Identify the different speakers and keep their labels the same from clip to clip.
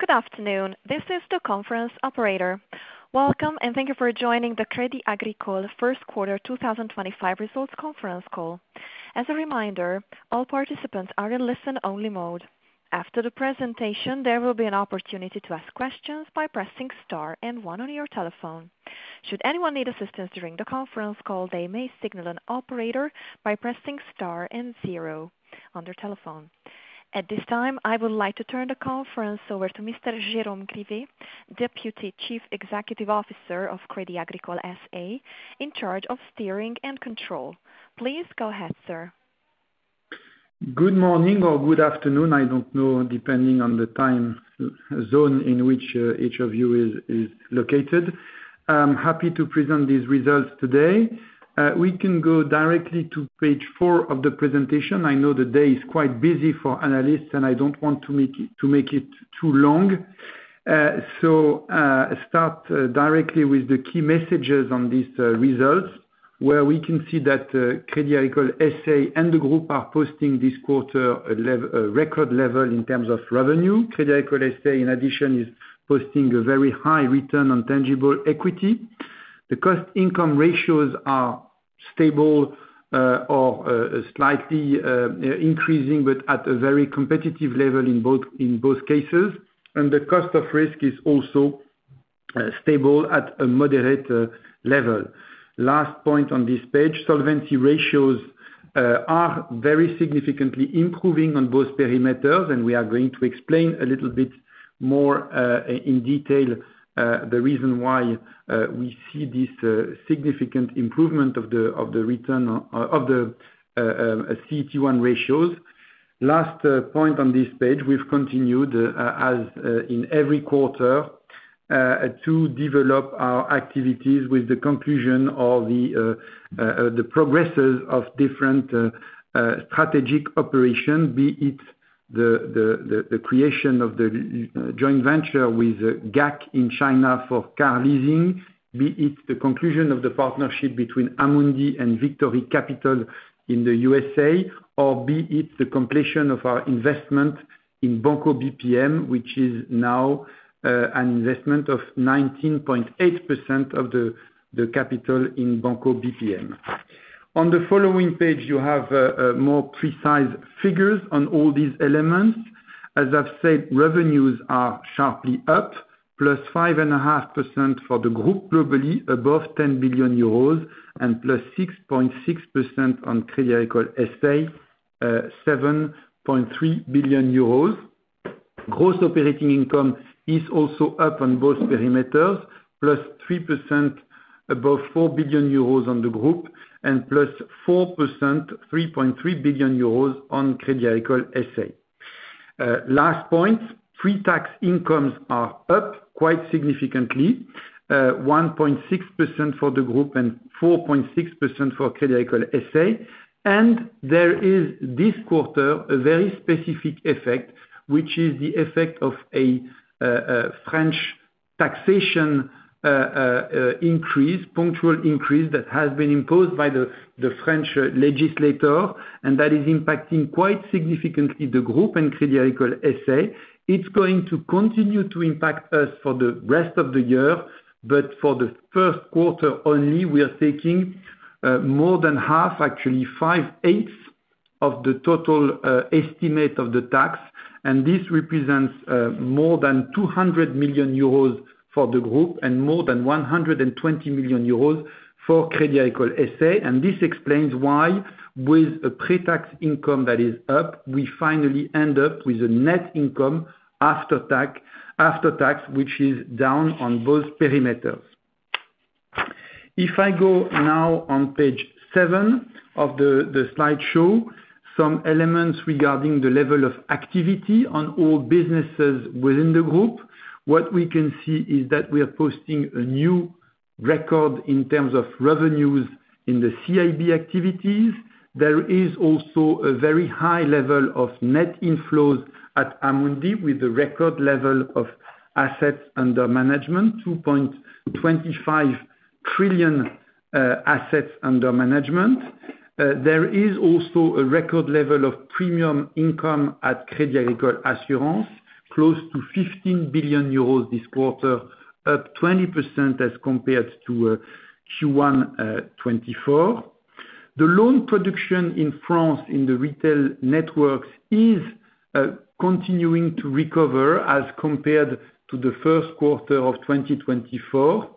Speaker 1: Good afternoon. This is the conference operator. Welcome, and thank you for joining the Crédit Agricole First Quarter 2025 Results Conference Call. As a reminder, all participants are in listen-only mode. After the presentation, there will be an opportunity to ask questions by pressing star and one on your telephone. Should anyone need assistance during the conference call, they may signal an operator by pressing star and zero on their telephone. At this time, I would like to turn the conference over to Mr. Jérôme Grivet, Deputy Chief Executive Officer of Crédit Agricole S.A., in charge of steering and control. Please go ahead, sir.
Speaker 2: Good morning or good afternoon. I don't know, depending on the time zone in which each of you is located. I'm happy to present these results today. We can go directly to page four of the presentation. I know the day is quite busy for analysts, and I don't want to make it too long. Start directly with the key messages on these results, where we can see that Crédit Agricole S.A. and the group are posting this quarter record level in terms of revenue. Crédit Agricole S.A., in addition, is posting a very high return on tangible equity. The cost-income ratios are stable or slightly increasing, but at a very competitive level in both cases. The cost of risk is also stable at a moderate level. Last point on this page, solvency ratios are very significantly improving on both perimeters, and we are going to explain a little bit more in detail the reason why we see this significant improvement of the CET1 ratios. Last point on this page, we've continued, as in every quarter, to develop our activities with the conclusion of the progresses of different strategic operations, be it the creation of the joint venture with GAC in China for car leasing, be it the conclusion of the partnership between Amundi and Victory Capital in the U.S.A, or be it the completion of our investment in Banco BPM, which is now an investment of 19.8% of the capital in Banco BPM. On the following page, you have more precise figures on all these elements. As I've said, revenues are sharply up, plus 5.5% for the group globally above 10 billion euros, and plus 6.6% on Crédit Agricole S.A., 7.3 billion euros. Gross operating income is also up on both perimeters, plus 3% above 4 billion euros on the group, and plus 4%, 3.3 billion euros on Crédit Agricole S.A. Last point, pre-tax incomes are up quite significantly, 1.6% for the group and 4.6% for Crédit Agricole S.A. There is this quarter a very specific effect, which is the effect of a French taxation increase, punctual increase that has been imposed by the French legislator, and that is impacting quite significantly the group and Crédit Agricole S.A. It's going to continue to impact us for the rest of the year, but for the first quarter only, we are taking more than half, actually 5/8 of the total estimate of the tax, and this represents more than 200 million euros for the group and more than 120 million euros for Crédit Agricole S.A. This explains why, with a pre-tax income that is up, we finally end up with a net income after tax, which is down on both perimeters. If I go now on page seven of the slideshow, some elements regarding the level of activity on all businesses within the group, what we can see is that we are posting a new record in terms of revenues in the CIB activities. There is also a very high level of net inflows at Amundi with the record level of assets under management, 2.25 trillion assets under management. There is also a record level of premium income at Crédit Agricole Assurances, close to 15 billion euros this quarter, up 20% as compared to Q1 2024. The loan production in France in the retail networks is continuing to recover as compared to the first quarter of 2024.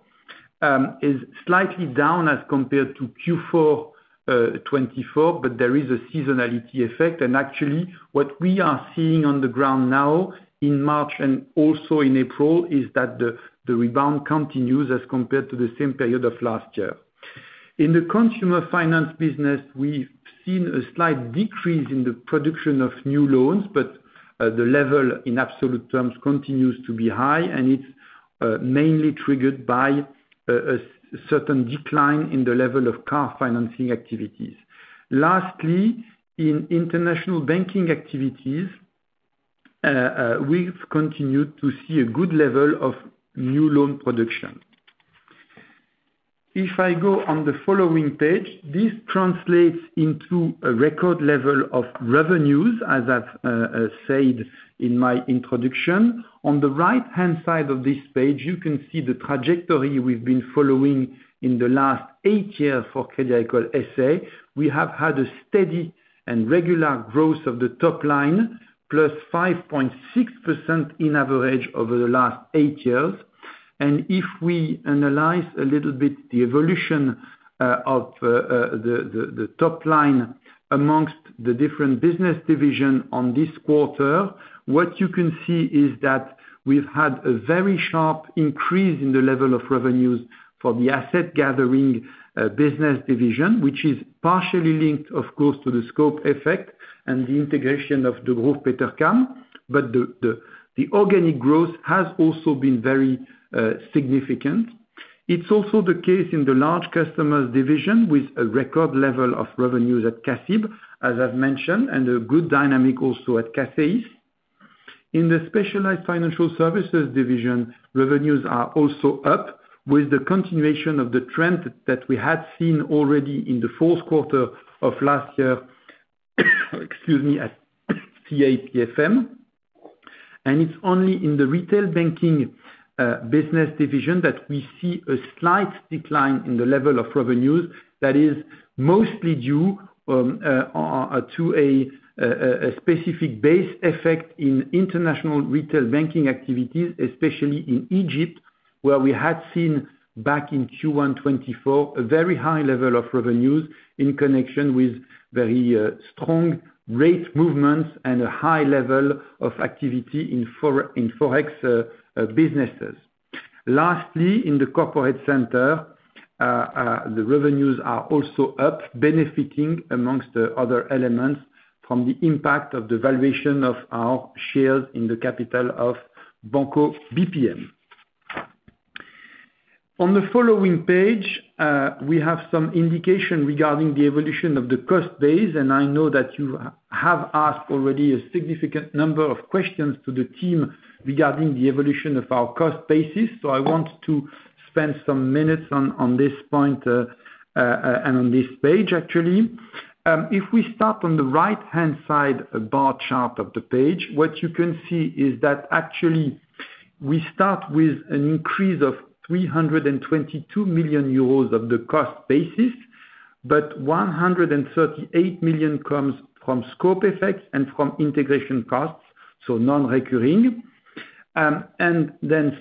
Speaker 2: It is slightly down as compared to Q4 2024, but there is a seasonality effect. Actually, what we are seeing on the ground now in March and also in April is that the rebound continues as compared to the same period of last year. In the consumer finance business, we have seen a slight decrease in the production of new loans, but the level in absolute terms continues to be high, and it is mainly triggered by a certain decline in the level of car financing activities. Lastly, in international banking activities, we have continued to see a good level of new loan production. If I go on the following page, this translates into a record level of revenues, as I've said in my introduction. On the right-hand side of this page, you can see the trajectory we've been following in the last eight years for Crédit Agricole S.A. We have had a steady and regular growth of the top line, +5.6% in average over the last eight years. If we analyze a little bit the evolution of the top line amongst the different business divisions on this quarter, what you can see is that we've had a very sharp increase in the level of revenues for the asset gathering business division, which is partially linked, of course, to the scope effect and the integration of the Degroof Petercam. The organic growth has also been very significant. It's also the case in the large customers division with a record level of revenues at CACIB, as I've mentioned, and a good dynamic also at CACEIS. In the specialized financial services division, revenues are also up with the continuation of the trend that we had seen already in the fourth quarter of last year, excuse me, at CACF. It's only in the retail banking business division that we see a slight decline in the level of revenues that is mostly due to a specific base effect in international retail banking activities, especially in Egypt, where we had seen back in Q1 2024 a very high level of revenues in connection with very strong rate movements and a high level of activity in forex businesses. Lastly, in the corporate center, the revenues are also up, benefiting amongst other elements from the impact of the valuation of our shares in the capital of Banco BPM. On the following page, we have some indication regarding the evolution of the cost base, and I know that you have asked already a significant number of questions to the team regarding the evolution of our cost basis. I want to spend some minutes on this point and on this page, actually. If we start on the right-hand side bar chart of the page, what you can see is that actually we start with an increase of 322 million euros of the cost basis, but 138 million comes from scope effects and from integration costs, so non-recurring.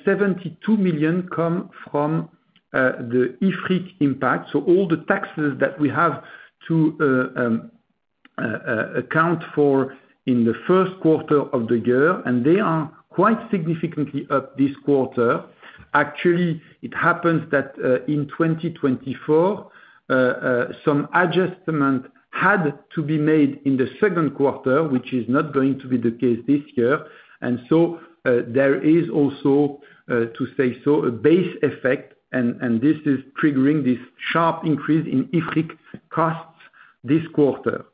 Speaker 2: Seventy-two million come from the IFRIC impact, so all the taxes that we have to account for in the first quarter of the year, and they are quite significantly up this quarter. Actually, it happens that in 2024, some adjustment had to be made in the second quarter, which is not going to be the case this year. There is also, to say so, a base effect, and this is triggering this sharp increase in IFRIC costs this quarter.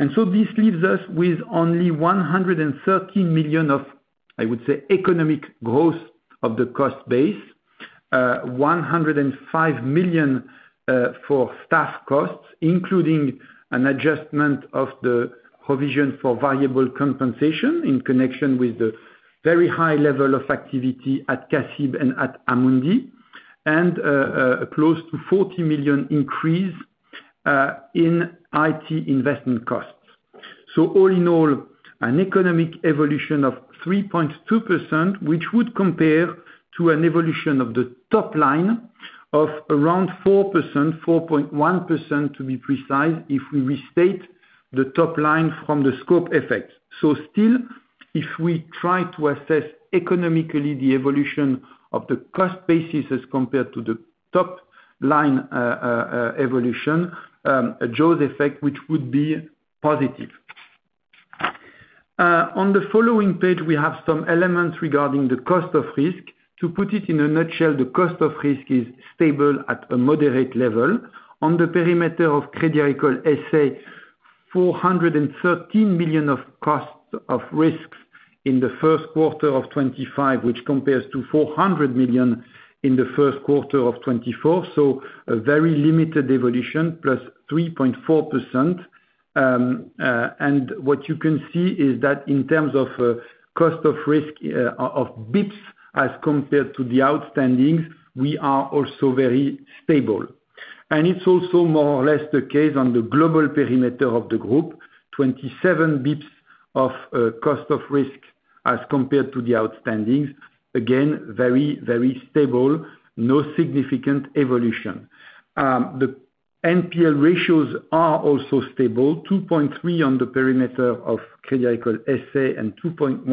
Speaker 2: This leaves us with only 130 million of, I would say, economic growth of the cost base, 105 million for staff costs, including an adjustment of the provision for variable compensation in connection with the very high level of activity at CACIB and at Amundi, and close to 40 million increase in IT investment costs. All in all, an economic evolution of 3.2%, which would compare to an evolution of the top line of around 4%, 4.1% to be precise if we restate the top line from the scope effect. Still, if we try to assess economically the evolution of the cost basis as compared to the top line evolution, a [Joe's] effect, which would be positive. On the following page, we have some elements regarding the cost of risk. To put it in a nutshell, the cost of risk is stable at a moderate level. On the perimeter of Crédit Agricole S.A., 413 million of cost of risk in the first quarter of 2025, which compares to 400 million in the first quarter of 2024. A very limited evolution, plus 3.4%. What you can see is that in terms of cost of risk of basis points as compared to the outstandings, we are also very stable. It is also more or less the case on the global perimeter of the group, 27 basis points of cost of risk as compared to the outstandings. Again, very, very stable, no significant evolution. The NPL ratios are also stable, 2.3% on the perimeter of Crédit Agricole S.A. and 2.1%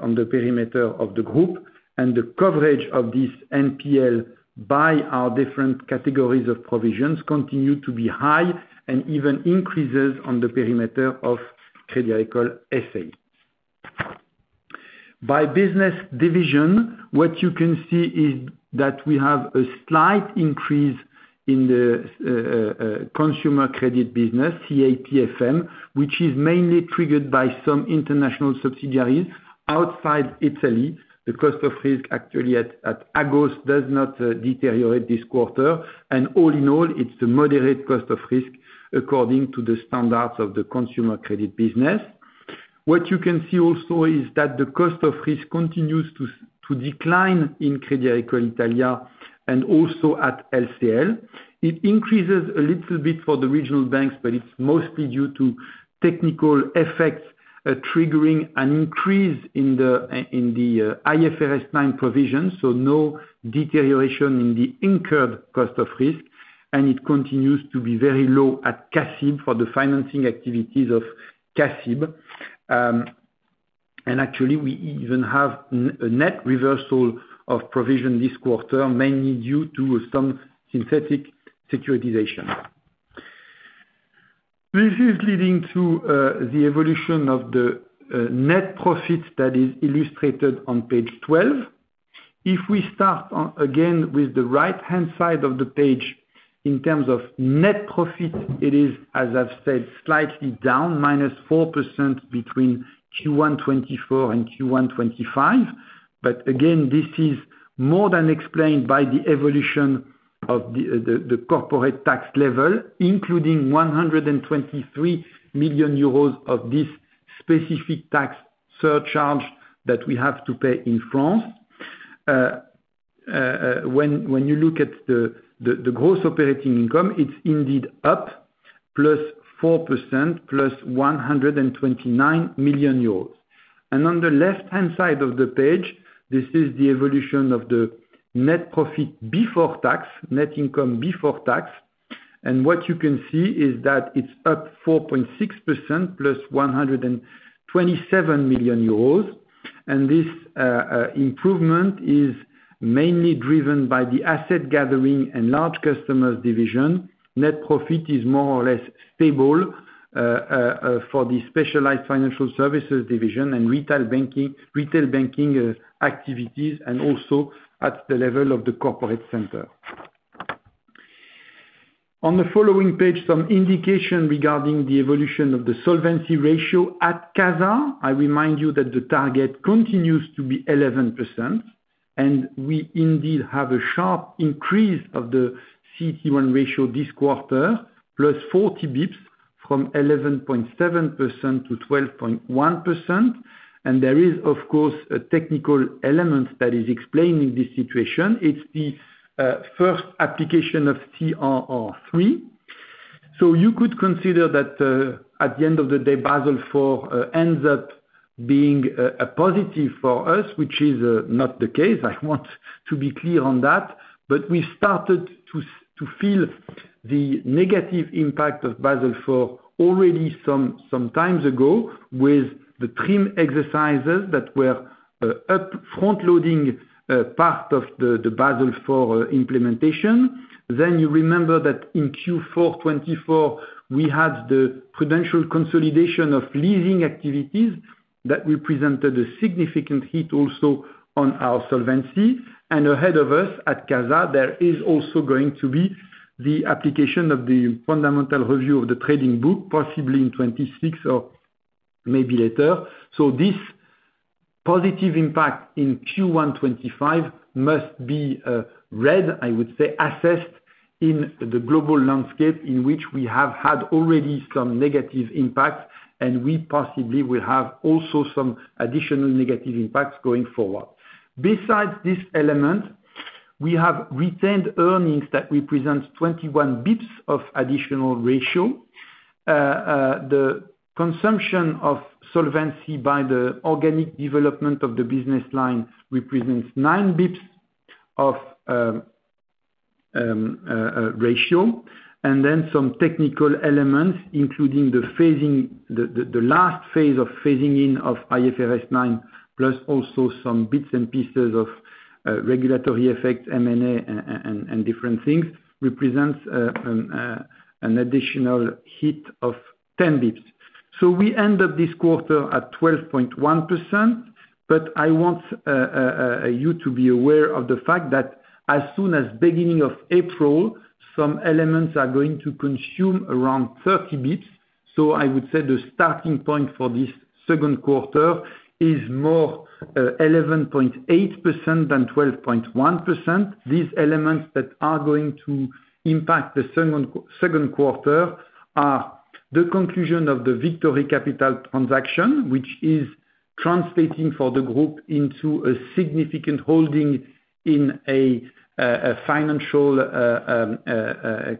Speaker 2: on the perimeter of the group. The coverage of this NPL by our different categories of provisions continues to be high and even increases on the perimeter of Crédit Agricole S.A. By business division, what you can see is that we have a slight increase in the consumer credit business, CACF, which is mainly triggered by some international subsidiaries outside Italy. The cost of risk actually at Agos does not deteriorate this quarter. All in all, it's a moderate cost of risk according to the standards of the consumer credit business. What you can see also is that the cost of risk continues to decline in Crédit Agricole Italia and also at LCL. It increases a little bit for the regional banks, but it's mostly due to technical effects triggering an increase in the IFRS 9 provision, so no deterioration in the incurred cost of risk. It continues to be very low at CACIB for the financing activities of CACIB. Actually, we even have a net reversal of provision this quarter, mainly due to some synthetic securitization. This is leading to the evolution of the net profit that is illustrated on page 12. If we start again with the right-hand side of the page in terms of net profit, it is, as I've said, slightly down, -4% between Q1 2024 and Q1 2025. This is more than explained by the evolution of the corporate tax level, including 123 million euros of this specific tax surcharge that we have to pay in France. When you look at the gross operating income, it is indeed up, +4%, +129 million euros. On the left-hand side of the page, this is the evolution of the net profit before tax, net income before tax. What you can see is that it is up 4.6%, +127 million euros. This improvement is mainly driven by the asset gathering and large customers division. Net profit is more or less stable for the specialized financial services division and retail banking activities, and also at the level of the corporate center. On the following page, some indication regarding the evolution of the solvency ratio at CASA. I remind you that the target continues to be 11%. We indeed have a sharp increase of the CET1 ratio this quarter, plus 40 basis points from 11.7% to 12.1%. There is, of course, a technical element that is explaining this situation. It is the first application of CRR3. You could consider that at the end of the day, Basel IV ends up being a positive for us, which is not the case. I want to be clear on that. We started to feel the negative impact of Basel IV already some time ago with the TRIM exercises that were upfront loading part of the Basel IV implementation. You remember that in Q4 2024, we had the prudential consolidation of leasing activities that represented a significant hit also on our solvency. Ahead of us at CASA, there is also going to be the application of the fundamental review of the trading book, possibly in 2026 or maybe later. This positive impact in Q1 2025 must be read, I would say, assessed in the global landscape in which we have had already some negative impacts, and we possibly will have also some additional negative impacts going forward. Besides this element, we have retained earnings that represent 21 basis points of additional ratio. The consumption of solvency by the organic development of the business line represents 9 basis points of ratio. Then some technical elements, including the last phase of phasing in of IFRS 9, plus also some bits and pieces of regulatory effects, M&A, and different things, represents an additional hit of 10 basis points. We end up this quarter at 12.1%. I want you to be aware of the fact that as soon as beginning of April, some elements are going to consume around 30 basis points. I would say the starting point for this second quarter is more 11.8% than 12.1%. These elements that are going to impact the second quarter are the conclusion of the Victory Capital transaction, which is translating for the group into a significant holding in a financial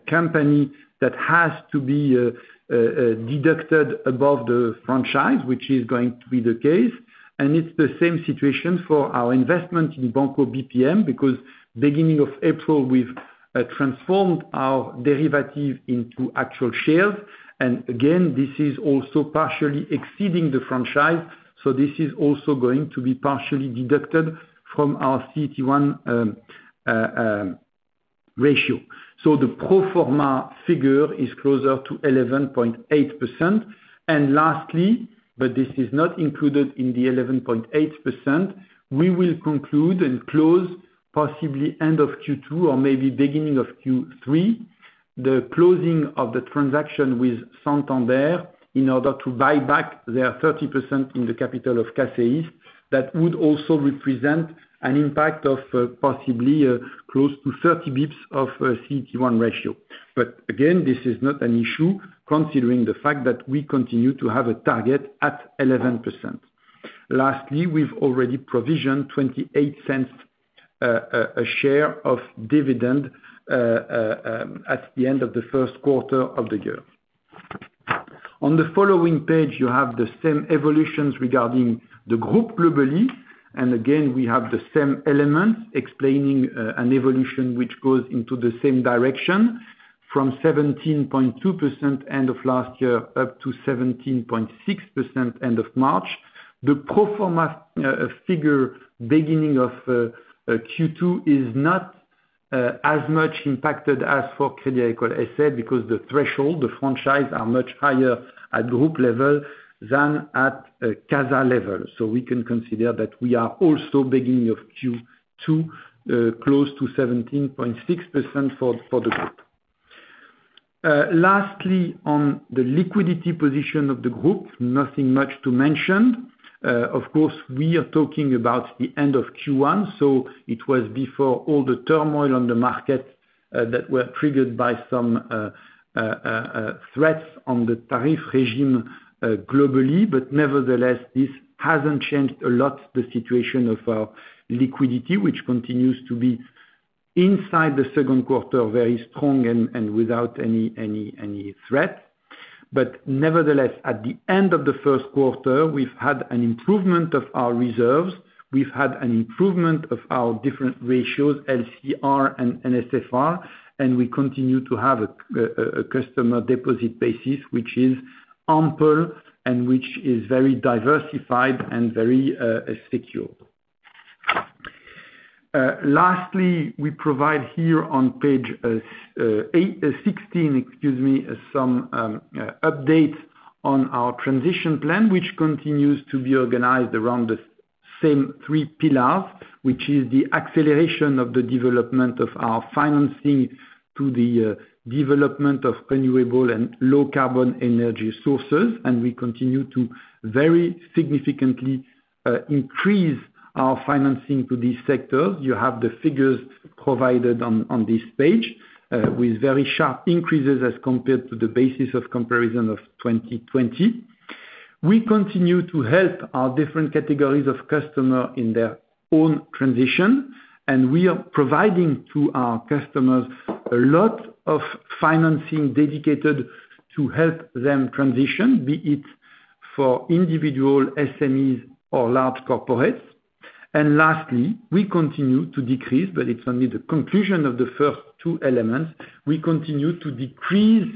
Speaker 2: company that has to be deducted above the franchise, which is going to be the case. It is the same situation for our investment in Banco BPM because beginning of April, we have transformed our derivative into actual shares. Again, this is also partially exceeding the franchise. This is also going to be partially deducted from our CET1 ratio. The pro forma figure is closer to 11.8%. Lastly, but this is not included in the 11.8%, we will conclude and close possibly end of Q2 or maybe beginning of Q3, the closing of the transaction with Santander in order to buy back their 30% in the capital of CACEIS that would also represent an impact of possibly close to 30 basis points of CET1 ratio. Again, this is not an issue considering the fact that we continue to have a target at 11%. Lastly, we have already provisioned 0.28 a share of dividend at the end of the first quarter of the year. On the following page, you have the same evolutions regarding the group globally. Again, we have the same elements explaining an evolution which goes into the same direction from 17.2% end of last year up to 17.6% end of March. The pro forma figure beginning of Q2 is not as much impacted as for Crédit Agricole S.A. because the threshold, the franchise are much higher at group level than at Casa level. We can consider that we are also beginning of Q2 close to 17.6% for the group. Lastly, on the liquidity position of the group, nothing much to mention. Of course, we are talking about the end of Q1. It was before all the turmoil on the market that were triggered by some threats on the tariff regime globally. Nevertheless, this has not changed a lot, the situation of our liquidity, which continues to be inside the second quarter very strong and without any threat. Nevertheless, at the end of the first quarter, we have had an improvement of our reserves. We have had an improvement of our different ratios, LCR and NSFR. We continue to have a customer deposit basis, which is ample and which is very diversified and very secure. Lastly, we provide here on page 16, excuse me, some updates on our transition plan, which continues to be organized around the same three pillars, which is the acceleration of the development of our financing to the development of renewable and low carbon energy sources. We continue to very significantly increase our financing to these sectors. You have the figures provided on this page with very sharp increases as compared to the basis of comparison of 2020. We continue to help our different categories of customers in their own transition. We are providing to our customers a lot of financing dedicated to help them transition, be it for individual SMEs or large corporates. Lastly, we continue to decrease, but it is only the conclusion of the first two elements. We continue to decrease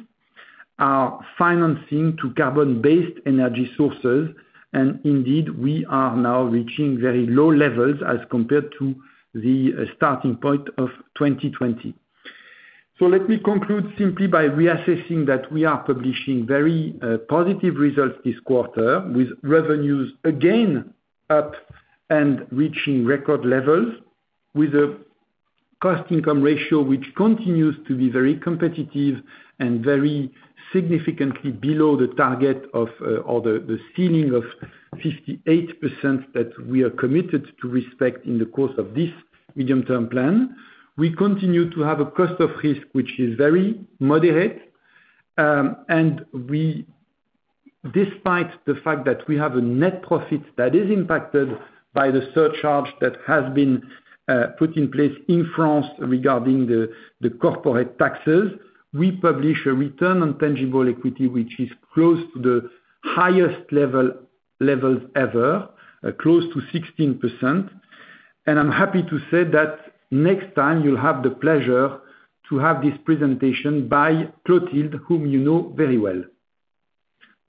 Speaker 2: our financing to carbon-based energy sources. Indeed, we are now reaching very low levels as compared to the starting point of 2020. Let me conclude simply by reassessing that we are publishing very positive results this quarter with revenues again up and reaching record levels with a cost-income ratio which continues to be very competitive and very significantly below the target or the ceiling of 58% that we are committed to respect in the course of this medium-term plan. We continue to have a cost of risk which is very moderate. Despite the fact that we have a net profit that is impacted by the surcharge that has been put in place in France regarding the corporate taxes, we publish a return on tangible equity which is close to the highest levels ever, close to 16%. I'm happy to say that next time you'll have the pleasure to have this presentation by Clotilde, whom you know very well.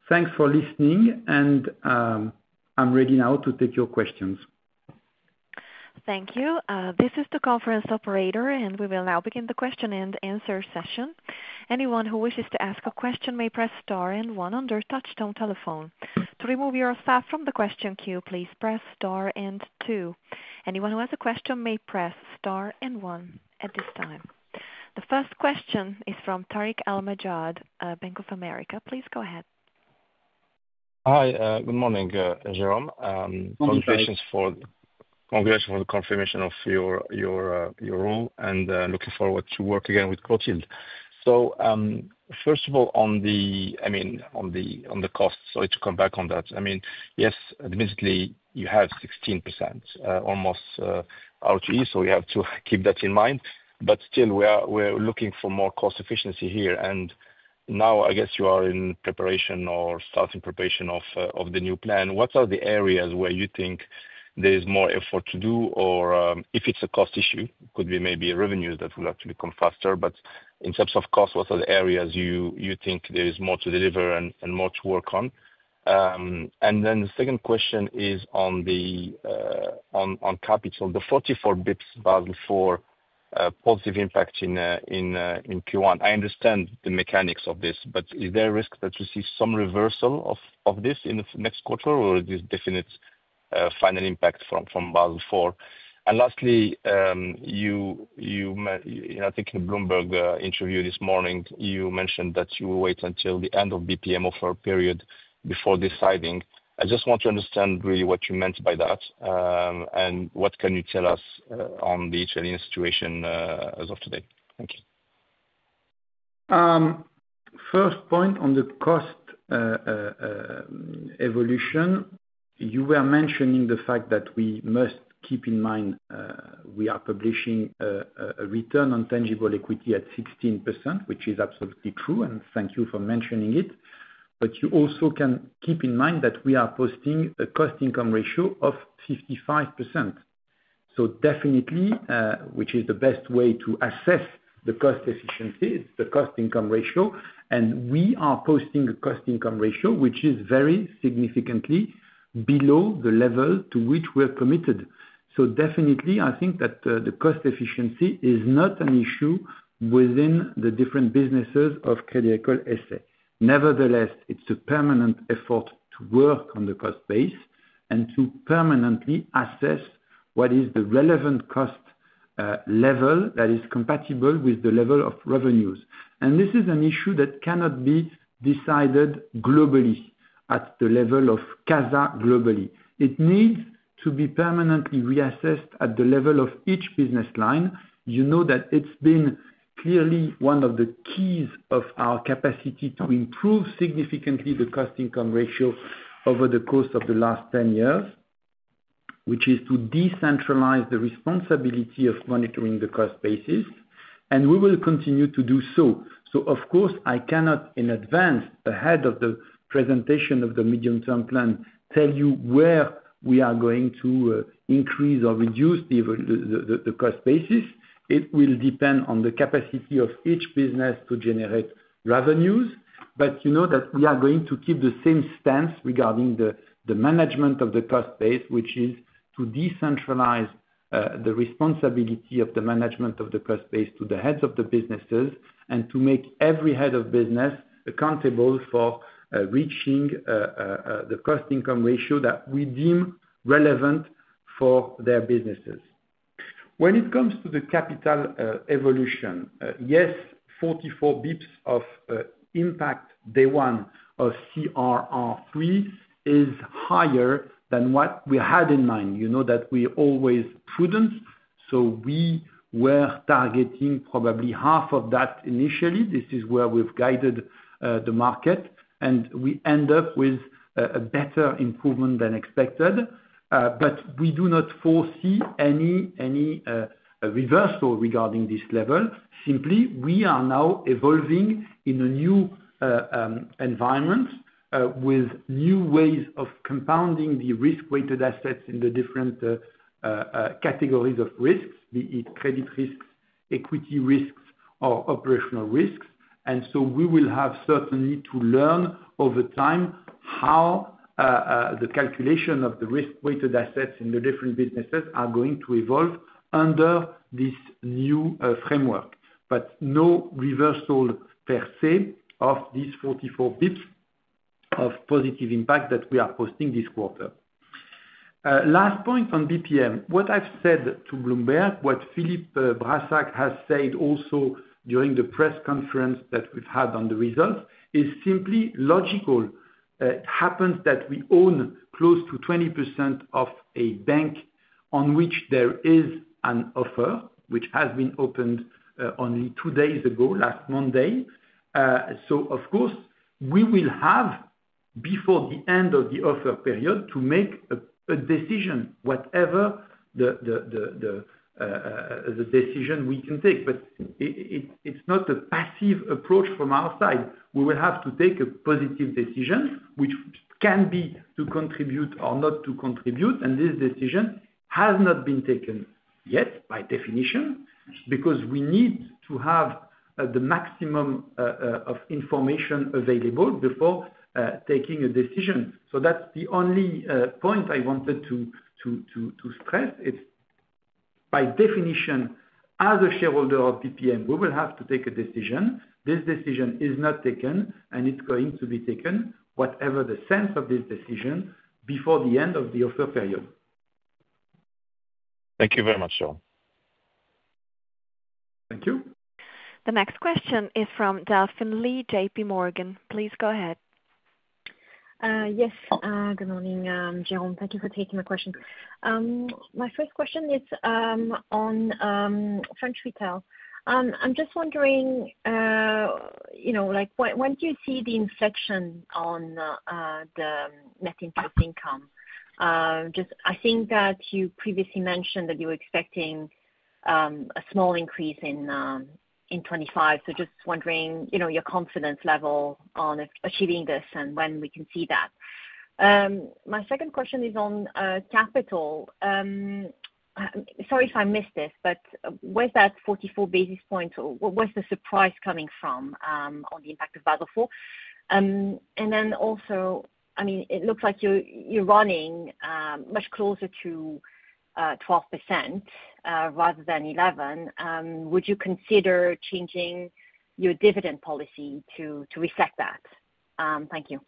Speaker 2: Thanks for listening, and I'm ready now to take your questions.
Speaker 1: Thank you. This is the conference operator, and we will now begin the question and answer session. Anyone who wishes to ask a question may press star and one on your touchtone telephone. To remove yourself from the question queue, please press star and two. Anyone who has a question may press star and one at this time. The first question is from Tarik El Mejjad, Bank of America. Please go ahead.
Speaker 3: Hi, good morning, Jérôme. Congratulations for the confirmation of your role, and looking forward to work again with Clotilde. First of all, I mean, on the cost, sorry to come back on that. I mean, yes, admittedly, you have 16% almost RoTE, so we have to keep that in mind. Still, we're looking for more cost efficiency here. I guess you are in preparation or starting preparation of the new plan. What are the areas where you think there is more effort to do, or if it's a cost issue, it could be maybe revenues that will actually come faster. In terms of cost, what are the areas you think there is more to deliver and more to work on? The second question is on capital, the 44 basis points Basel IV positive impact in Q1. I understand the mechanics of this, but is there a risk that you see some reversal of this in the next quarter, or is this definite final impact from Basel IV? Lastly, I think in the Bloomberg interview this morning, you mentioned that you will wait until the end of BPM offer period before deciding. I just want to understand really what you meant by that, and what can you tell us on the Italian situation as of today? Thank you.
Speaker 2: First point on the cost evolution, you were mentioning the fact that we must keep in mind we are publishing a return on tangible equity at 16%, which is absolutely true, and thank you for mentioning it. You also can keep in mind that we are posting a cost income ratio of 55%. Definitely, which is the best way to assess the cost efficiency, it's the cost income ratio. We are posting a cost income ratio which is very significantly below the level to which we're committed. Definitely, I think that the cost efficiency is not an issue within the different businesses of Crédit Agricole S.A. Nevertheless, it's a permanent effort to work on the cost base and to permanently assess what is the relevant cost level that is compatible with the level of revenues. This is an issue that cannot be decided globally at the level of CASA globally. It needs to be permanently reassessed at the level of each business line. You know that it's been clearly one of the keys of our capacity to improve significantly the cost-income ratio over the course of the last 10 years, which is to decentralize the responsibility of monitoring the cost basis. We will continue to do so. Of course, I cannot in advance, ahead of the presentation of the medium-term plan, tell you where we are going to increase or reduce the cost basis. It will depend on the capacity of each business to generate revenues. You know that we are going to keep the same stance regarding the management of the cost base, which is to decentralize the responsibility of the management of the cost base to the heads of the businesses and to make every head of business accountable for reaching the cost-income ratio that we deem relevant for their businesses. When it comes to the capital evolution, yes, 44 basis points of impact day one of CRR3 is higher than what we had in mind. You know that we always prudence. We were targeting probably half of that initially. This is where we have guided the market. We end up with a better improvement than expected. We do not foresee any reversal regarding this level. Simply, we are now evolving in a new environment with new ways of compounding the risk-weighted assets in the different categories of risks, be it credit risks, equity risks, or operational risks. We will have certainly to learn over time how the calculation of the risk-weighted assets in the different businesses are going to evolve under this new framework. No reversal per se of these 44 basis points of positive impact that we are posting this quarter. Last point on Banco BPM. What I've said to Bloomberg, what Philippe Brassac has said also during the press conference that we've had on the results is simply logical. It happens that we own close to 20% of a bank on which there is an offer, which has been opened only two days ago, last Monday. Of course, we will have before the end of the offer period to make a decision, whatever the decision we can take. It is not a passive approach from our side. We will have to take a positive decision, which can be to contribute or not to contribute. This decision has not been taken yet by definition because we need to have the maximum of information available before taking a decision. That is the only point I wanted to stress. It is by definition, as a shareholder of Banco BPM, we will have to take a decision. This decision is not taken, and it is going to be taken, whatever the sense of this decision, before the end of the offer period.
Speaker 3: Thank you very much, Jérôme.
Speaker 1: Thank you. The next question is from Delphine Lee, JPMorgan. Please go ahead.
Speaker 4: Yes. Good morning, Jérôme. Thank you for taking my question. My first question is on French retail. I'm just wondering, when do you see the inflection on the net interest income? I think that you previously mentioned that you were expecting a small increase in 2025. Just wondering your confidence level on achieving this and when we can see that. My second question is on capital. Sorry if I missed this, but where's that 44 basis points? Where's the surprise coming from on the impact of Basel IV? Also, I mean, it looks like you're running much closer to 12% rather than 11%. Would you consider changing your dividend policy to reflect that? Thank you.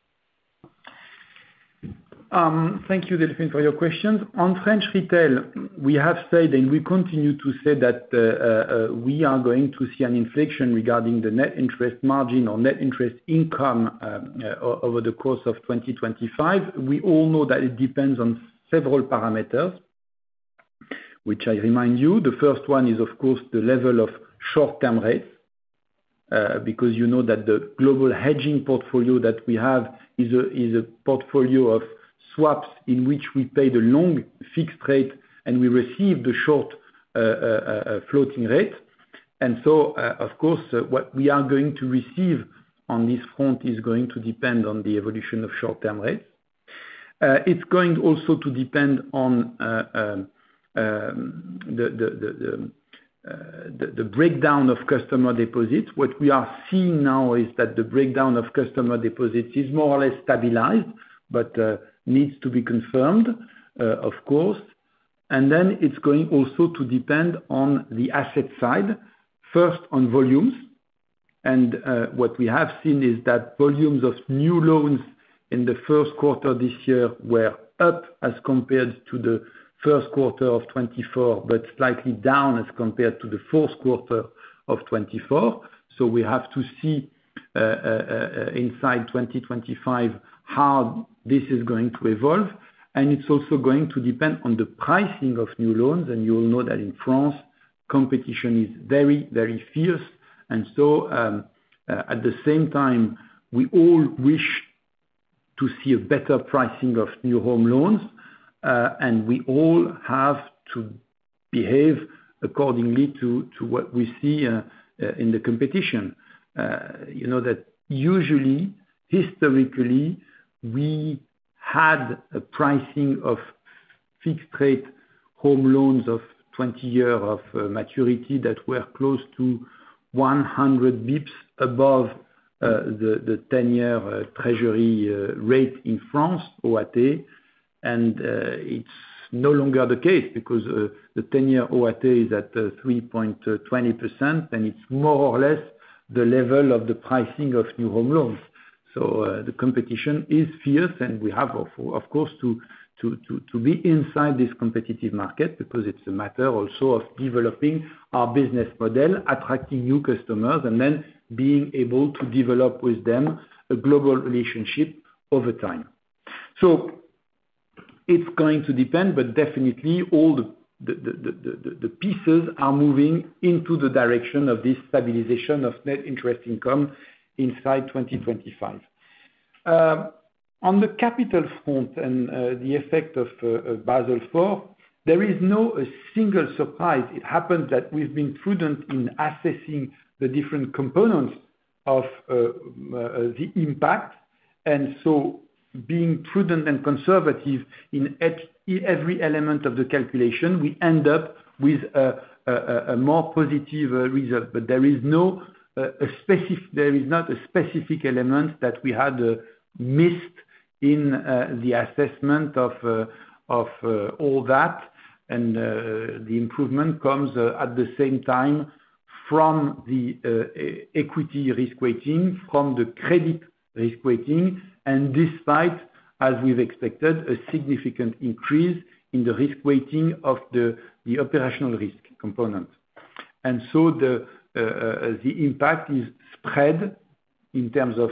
Speaker 2: Thank you, Delphine, for your questions. On French retail, we have said, and we continue to say that we are going to see an inflection regarding the net interest margin or net interest income over the course of 2025. We all know that it depends on several parameters, which I remind you. The first one is, of course, the level of short-term rates because you know that the global hedging portfolio that we have is a portfolio of swaps in which we pay the long fixed rate and we receive the short floating rate. Of course, what we are going to receive on this front is going to depend on the evolution of short-term rates. It is going also to depend on the breakdown of customer deposits. What we are seeing now is that the breakdown of customer deposits is more or less stabilized, but needs to be confirmed, of course. It is going also to depend on the asset side, first on volumes. What we have seen is that volumes of new loans in the first quarter this year were up as compared to the first quarter of 2024, but slightly down as compared to the fourth quarter of 2024. We have to see inside 2025 how this is going to evolve. It is also going to depend on the pricing of new loans. You will know that in France, competition is very, very fierce. At the same time, we all wish to see a better pricing of new home loans. We all have to behave accordingly to what we see in the competition. You know that usually, historically, we had a pricing of fixed-rate home loans of 20 years of maturity that were close to 100 basis points above the 10-year treasury rate in France, OAT. It is no longer the case because the 10-year OAT is at EUR 3.20%, and it is more or less the level of the pricing of new home loans. The competition is fierce, and we have, of course, to be inside this competitive market because it is a matter also of developing our business model, attracting new customers, and then being able to develop with them a global relationship over time. It is going to depend, but definitely, all the pieces are moving into the direction of this stabilization of net interest income inside 2025. On the capital front and the effect of Basel IV, there is no single surprise. It happens that we have been prudent in assessing the different components of the impact. Being prudent and conservative in every element of the calculation, we end up with a more positive result. There is no specific, there is not a specific element that we had missed in the assessment of all that. The improvement comes at the same time from the equity risk weighting, from the credit risk weighting. Despite, as we've expected, a significant increase in the risk weighting of the operational risk component, the impact is spread in terms of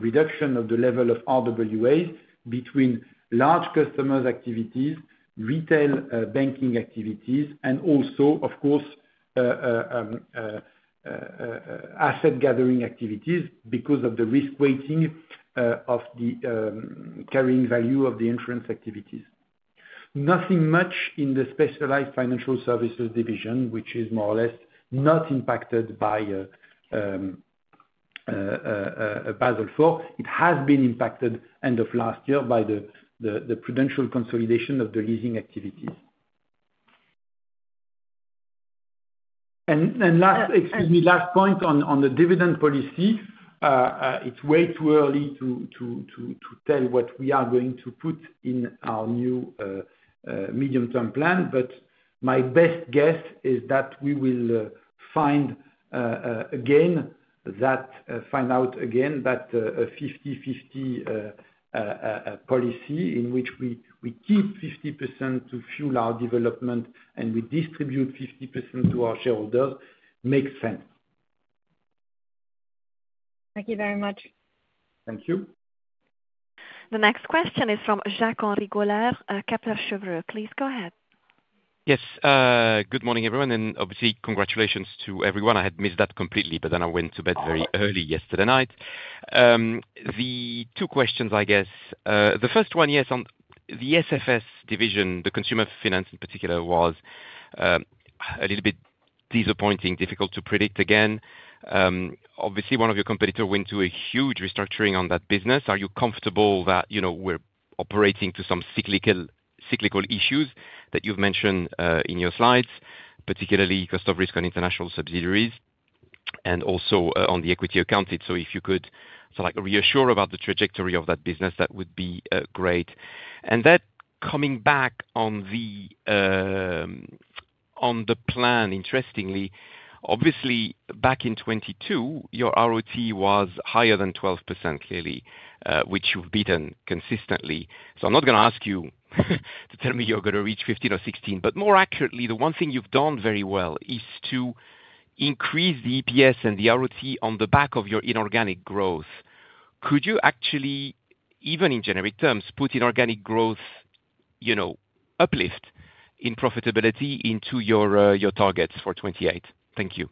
Speaker 2: reduction of the level of RWAs between large customers' activities, retail banking activities, and also, of course, asset gathering activities because of the risk weighting of the carrying value of the insurance activities. Nothing much in the specialized financial services division, which is more or less not impacted by Basel IV. It has been impacted end of last year by the prudential consolidation of the leasing activities. Last, excuse me, last point on the dividend policy, it's way too early to tell what we are going to put in our new medium-term plan. My best guess is that we will find out again that a 50/50 policy in which we keep 50% to fuel our development and we distribute 50% to our shareholders makes sense.
Speaker 4: Thank you very much.
Speaker 2: Thank you.
Speaker 1: The next question is from Jacques-Henri Gaulard, Keplerl Cheuvreux. Please go ahead.
Speaker 5: Yes. Good morning, everyone. Obviously, congratulations to everyone. I had missed that completely, but then I went to bed very early yesterday night. The two questions, I guess. The first one, yes, on the SFS division, the consumer finance in particular, was a little bit disappointing, difficult to predict again. Obviously, one of your competitors went to a huge restructuring on that business. Are you comfortable that we're operating to some cyclical issues that you've mentioned in your slides, particularly cost of risk on international subsidiaries and also on the equity accounted? If you could sort of reassure about the trajectory of that business, that would be great. Coming back on the plan, interestingly, obviously, back in 2022, your ROT was higher than 12%, clearly, which you've beaten consistently. I'm not going to ask you to tell me you're going to reach 15 or 16. More accurately, the one thing you've done very well is to increase the EPS and the ROT on the back of your inorganic growth. Could you actually, even in generic terms, put inorganic growth uplift in profitability into your targets for 2028? Thank you.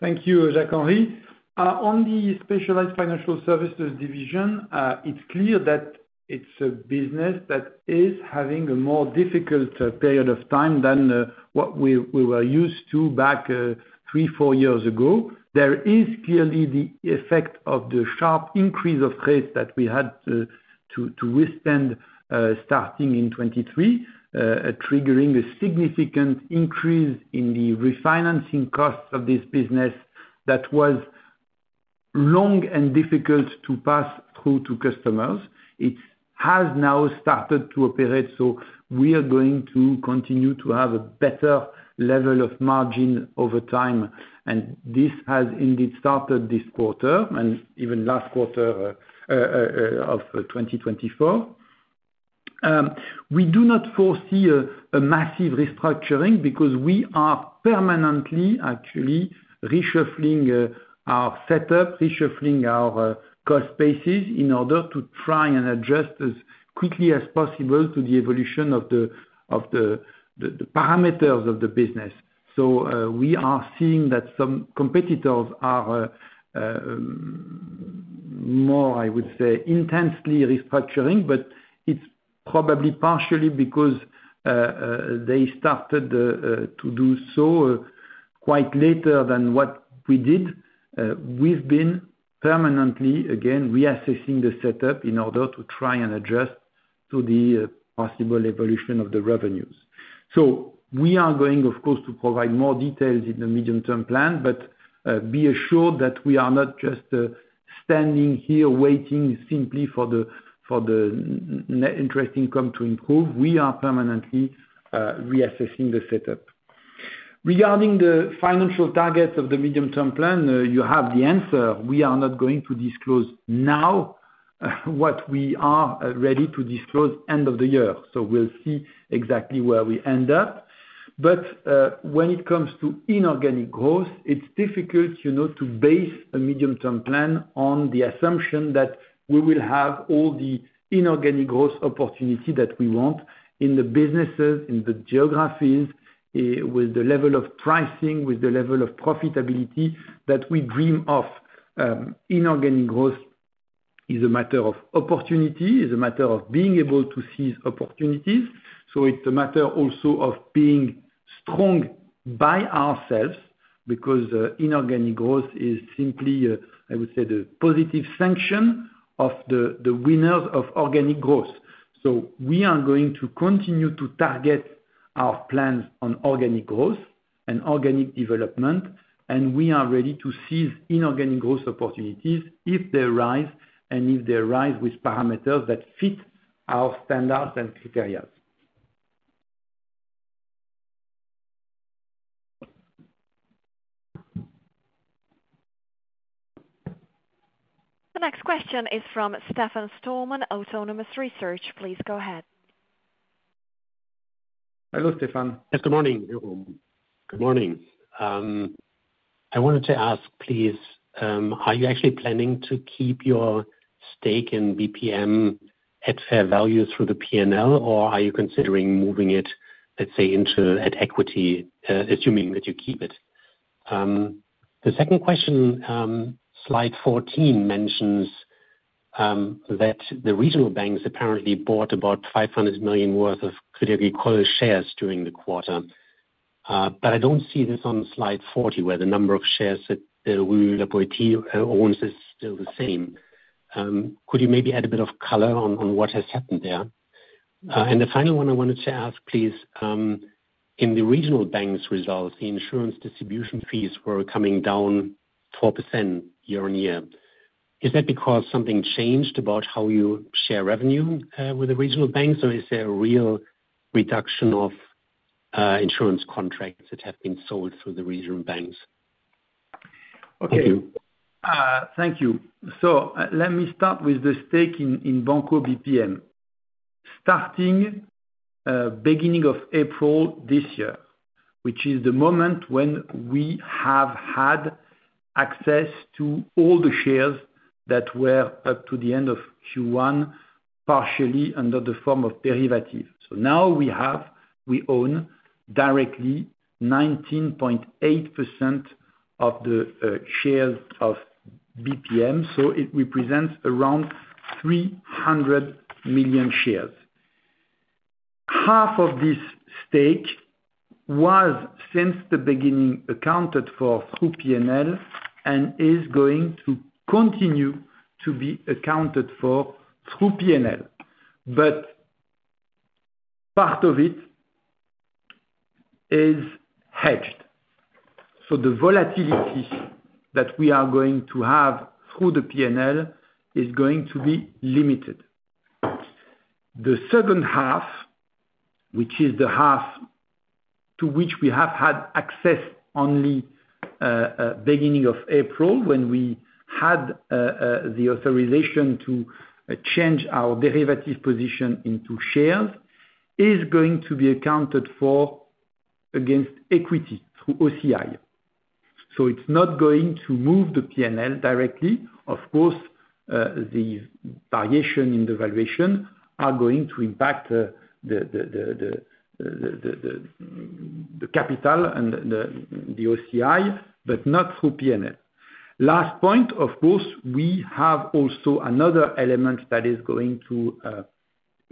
Speaker 2: Thank you, Jacques-Henri. On the specialized financial services division, it's clear that it's a business that is having a more difficult period of time than what we were used to back three, four years ago. There is clearly the effect of the sharp increase of rates that we had to withstand starting in 2023, triggering a significant increase in the refinancing costs of this business that was long and difficult to pass through to customers. It has now started to operate. We are going to continue to have a better level of margin over time. This has indeed started this quarter and even last quarter of 2024. We do not foresee a massive restructuring because we are permanently, actually, reshuffling our setup, reshuffling our cost basis in order to try and adjust as quickly as possible to the evolution of the parameters of the business. We are seeing that some competitors are more, I would say, intensely restructuring, but it's probably partially because they started to do so quite later than what we did. We've been permanently, again, reassessing the setup in order to try and adjust to the possible evolution of the revenues. We are going, of course, to provide more details in the medium-term plan, but be assured that we are not just standing here waiting simply for the net interest income to improve. We are permanently reassessing the setup. Regarding the financial targets of the medium-term plan, you have the answer. We are not going to disclose now what we are ready to disclose end of the year. We'll see exactly where we end up. When it comes to inorganic growth, it's difficult to base a medium-term plan on the assumption that we will have all the inorganic growth opportunity that we want in the businesses, in the geographies, with the level of pricing, with the level of profitability that we dream of. Inorganic growth is a matter of opportunity, is a matter of being able to seize opportunities. It is a matter also of being strong by ourselves because inorganic growth is simply, I would say, the positive sanction of the winners of organic growth. We are going to continue to target our plans on organic growth and organic development, and we are ready to seize inorganic growth opportunities if they arise and if they arise with parameters that fit our standards and criteria.
Speaker 1: The next question is from Stefan Stalmann of Autonomous Research. Please go ahead. Hello, Stephan. Yes, good morning.
Speaker 6: Good morning. I wanted to ask, please, are you actually planning to keep your stake in Banco BPM at fair value through the P&L, or are you considering moving it, let's say, into equity, assuming that you keep it? The second question, slide 14, mentions that the regional banks apparently bought about 500 million worth of Crédit Agricole S.A. shares during the quarter. I do not see this on slide 40, where the number of shares that Rue La Boétie owns is still the same. Could you maybe add a bit of color on what has happened there? The final one I wanted to ask, please, in the regional banks' results, the insurance distribution fees were coming down 4% year on year. Is that because something changed about how you share revenue with the regional banks, or is there a real reduction of insurance contracts that have been sold through the regional banks?
Speaker 2: Okay. Thank you. Thank you. Let me start with the stake in Banco BPM, starting beginning of April this year, which is the moment when we have had access to all the shares that were up to the end of Q1, partially under the form of derivatives. Now we own, directly, 19.8% of the shares of BPM. It represents around 300 million shares. Half of this stake was, since the beginning, accounted for through P&L and is going to continue to be accounted for through P&L. Part of it is hedged. The volatility that we are going to have through the P&L is going to be limited. The second half, which is the half to which we have had access only beginning of April, when we had the authorization to change our derivative position into shares, is going to be accounted for against equity through OCI. It is not going to move the P&L directly. Of course, the variation in the valuation is going to impact the capital and the OCI, but not through P&L. Last point, of course, we have also another element that is going to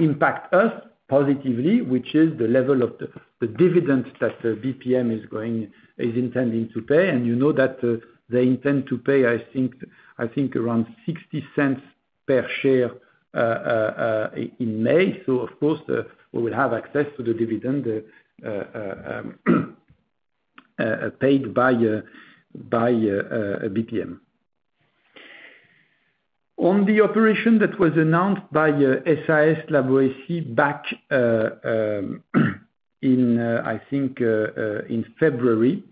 Speaker 2: impact us positively, which is the level of the dividend that BPM is intending to pay. You know that they intend to pay, I think, around 0.60 per share in May. Of course, we will have access to the dividend paid by BPM. On the operation that was announced by SAS Rue La Boétie back in, I think, in February,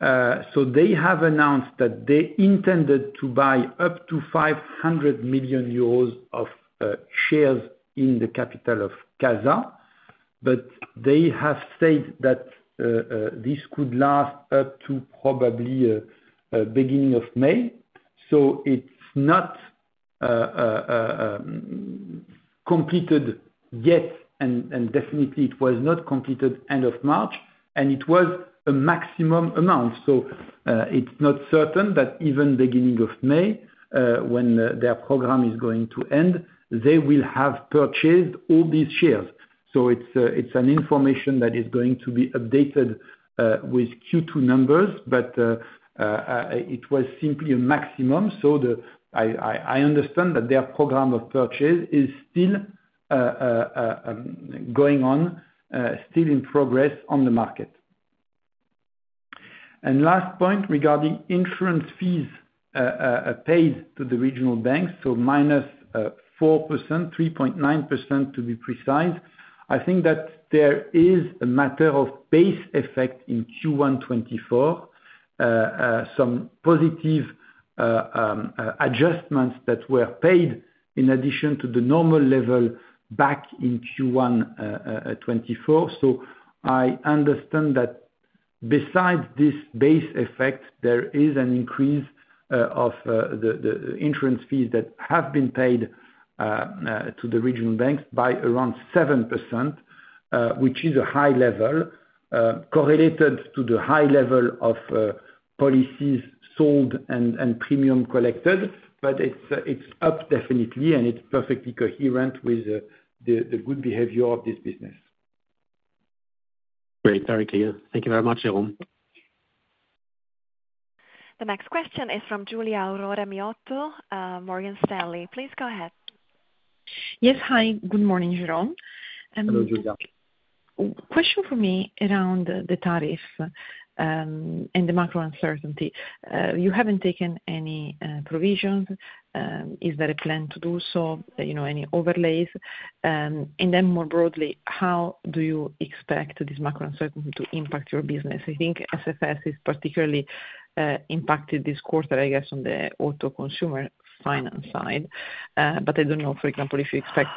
Speaker 2: they have announced that they intended to buy up to 500 million euros of shares in the capital of CASA. They have said that this could last up to probably beginning of May. It is not completed yet, and definitely, it was not completed end of March, and it was a maximum amount. It is not certain that even beginning of May, when their program is going to end, they will have purchased all these shares. It is an information that is going to be updated with Q2 numbers, but it was simply a maximum. I understand that their program of purchase is still going on, still in progress on the market. Last point regarding insurance fees paid to the regional banks, minus 4%, 3.9% to be precise. I think that there is a matter of base effect in Q1 2024, some positive adjustments that were paid in addition to the normal level back in Q1 2024. I understand that besides this base effect, there is an increase of the insurance fees that have been paid to the regional banks by around 7%, which is a high level correlated to the high level of policies sold and premium collected. It is up definitely, and it is perfectly coherent with the good behavior of this business.
Speaker 6: Great. Very clear. Thank you very much, Jérôme.
Speaker 1: The next question is from Giulia Aurora Miotto, Morgan Stanley. Please go ahead.
Speaker 7: Yes. Hi. Good morning, Jérôme.
Speaker 2: Hello, Giulia.
Speaker 7: Question for me around the tariff and the macro uncertainty. You have not taken any provisions. Is there a plan to do so? Any overlays? Then more broadly, how do you expect this macro uncertainty to impact your business? I think SFS is particularly impacted this quarter, I guess, on the auto consumer finance side. I do not know, for example, if you expect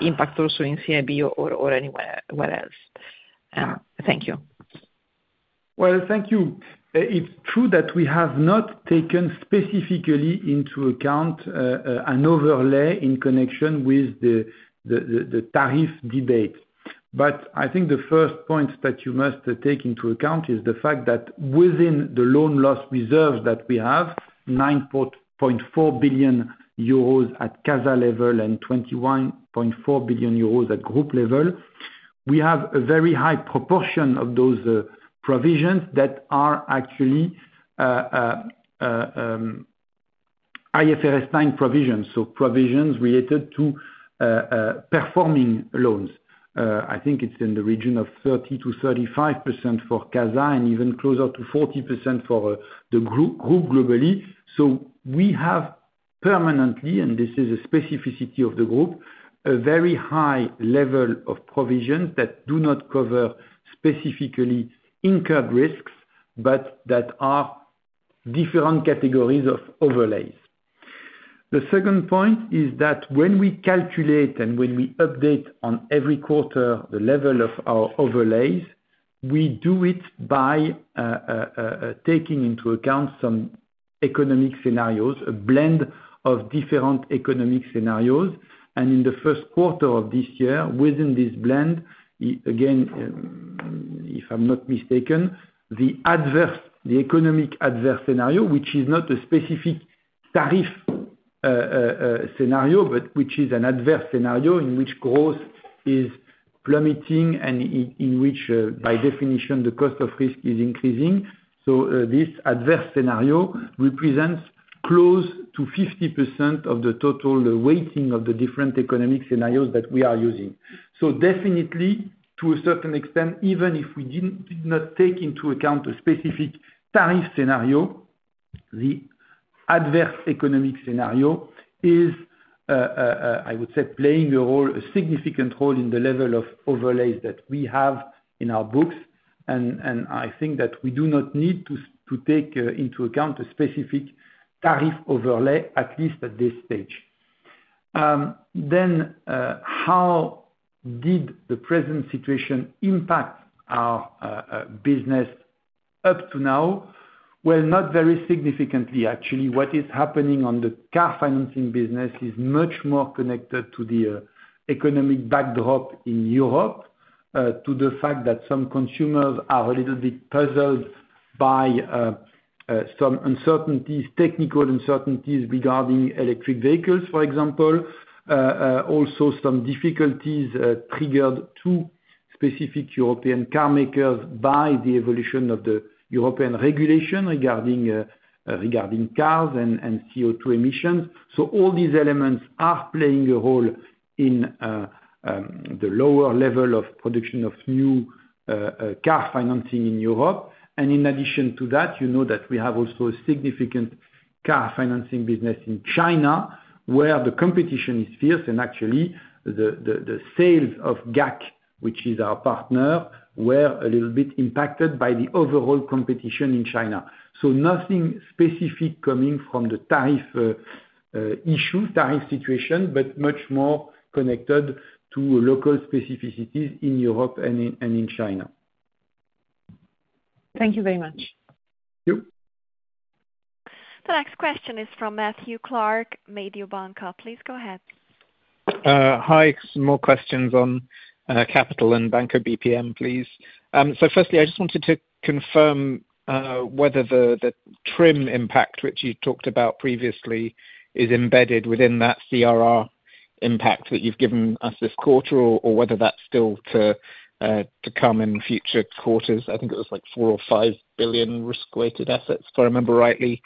Speaker 7: impact also in CIB or anywhere else. Thank you.
Speaker 2: Thank you. It is true that we have not taken specifically into account an overlay in connection with the tariff debate. I think the first point that you must take into account is the fact that within the loan loss reserve that we have, 9.4 billion euros at CASA level and 21.4 billion euros at group level, we have a very high proportion of those provisions that are actually IFRS 9 provisions, so provisions related to performing loans. I think it's in the region of 30%-35% for CASA and even closer to 40% for the group globally. We have permanently, and this is a specificity of the group, a very high level of provisions that do not cover specifically incurred risks, but that are different categories of overlays. The second point is that when we calculate and when we update on every quarter the level of our overlays, we do it by taking into account some economic scenarios, a blend of different economic scenarios. In the first quarter of this year, within this blend, again, if I'm not mistaken, the economic adverse scenario, which is not a specific tariff scenario, but which is an adverse scenario in which growth is plummeting and in which, by definition, the cost of risk is increasing. This adverse scenario represents close to 50% of the total weighting of the different economic scenarios that we are using. Definitely, to a certain extent, even if we did not take into account a specific tariff scenario, the adverse economic scenario is, I would say, playing a significant role in the level of overlays that we have in our books. I think that we do not need to take into account a specific tariff overlay, at least at this stage. How did the present situation impact our business up to now? Not very significantly, actually. What is happening on the car financing business is much more connected to the economic backdrop in Europe, to the fact that some consumers are a little bit puzzled by some uncertainties, technical uncertainties regarding electric vehicles, for example. Also, some difficulties triggered to specific European car makers by the evolution of the European regulation regarding cars and CO2 emissions. All these elements are playing a role in the lower level of production of new car financing in Europe. In addition to that, you know that we have also a significant car financing business in China, where the competition is fierce. Actually, the sales of GAC, which is our partner, were a little bit impacted by the overall competition in China. Nothing specific coming from the tariff issue, tariff situation, but much more connected to local specificities in Europe and in China.
Speaker 7: Thank you very much.
Speaker 1: The next question is from Matthew Clark, Maydeo Banca. Please go ahead. Hi. Some more questions on capital and Banco BPM, please.
Speaker 8: Firstly, I just wanted to confirm whether the TRIM impact, which you talked about previously, is embedded within that CRR impact that you've given us this quarter, or whether that's still to come in future quarters. I think it was like 4 billion or 5 billion risk-weighted assets, if I remember rightly,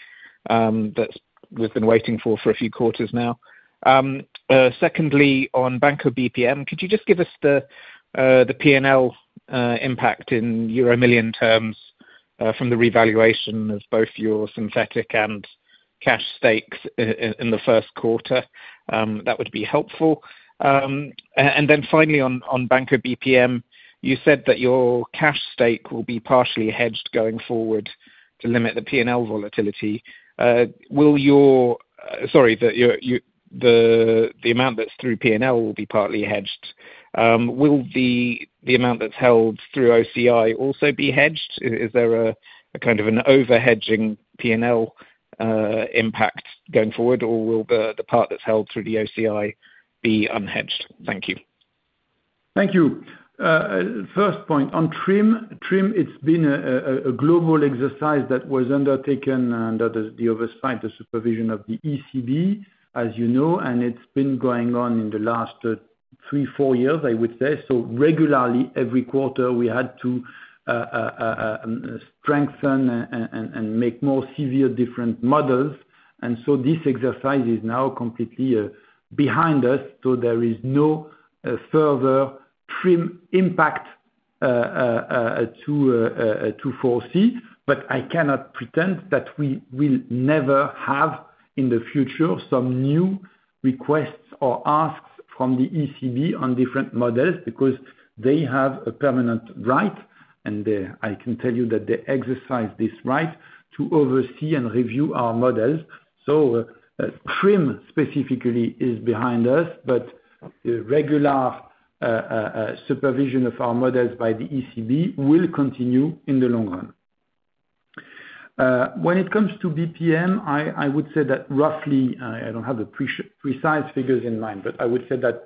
Speaker 8: that we've been waiting for a few quarters now. Secondly, on Banco BPM, could you just give us the P&L impact in euro million terms from the revaluation of both your synthetic and cash stakes in the first quarter? That would be helpful. Finally, on Banco BPM, you said that your cash stake will be partially hedged going forward to limit the P&L volatility. Sorry, the amount that's through P&L will be partly hedged. Will the amount that's held through OCI also be hedged? Is there a kind of an over-hedging P&L impact going forward, or will the part that's held through the OCI be unhedged? Thank you.
Speaker 2: Thank you. First point on TRIM. TRIM, it's been a global exercise that was undertaken under the oversight, the supervision of the ECB, as you know, and it's been going on in the last three, four years, I would say. Regularly, every quarter, we had to strengthen and make more severe different models. This exercise is now completely behind us. There is no further TRIM impact to foresee. I cannot pretend that we will never have in the future some new requests or asks from the ECB on different models because they have a permanent right, and I can tell you that they exercise this right to oversee and review our models. TRIM specifically is behind us, but the regular supervision of our models by the ECB will continue in the long run. When it comes to BPM, I would say that roughly, I do not have the precise figures in mind, but I would say that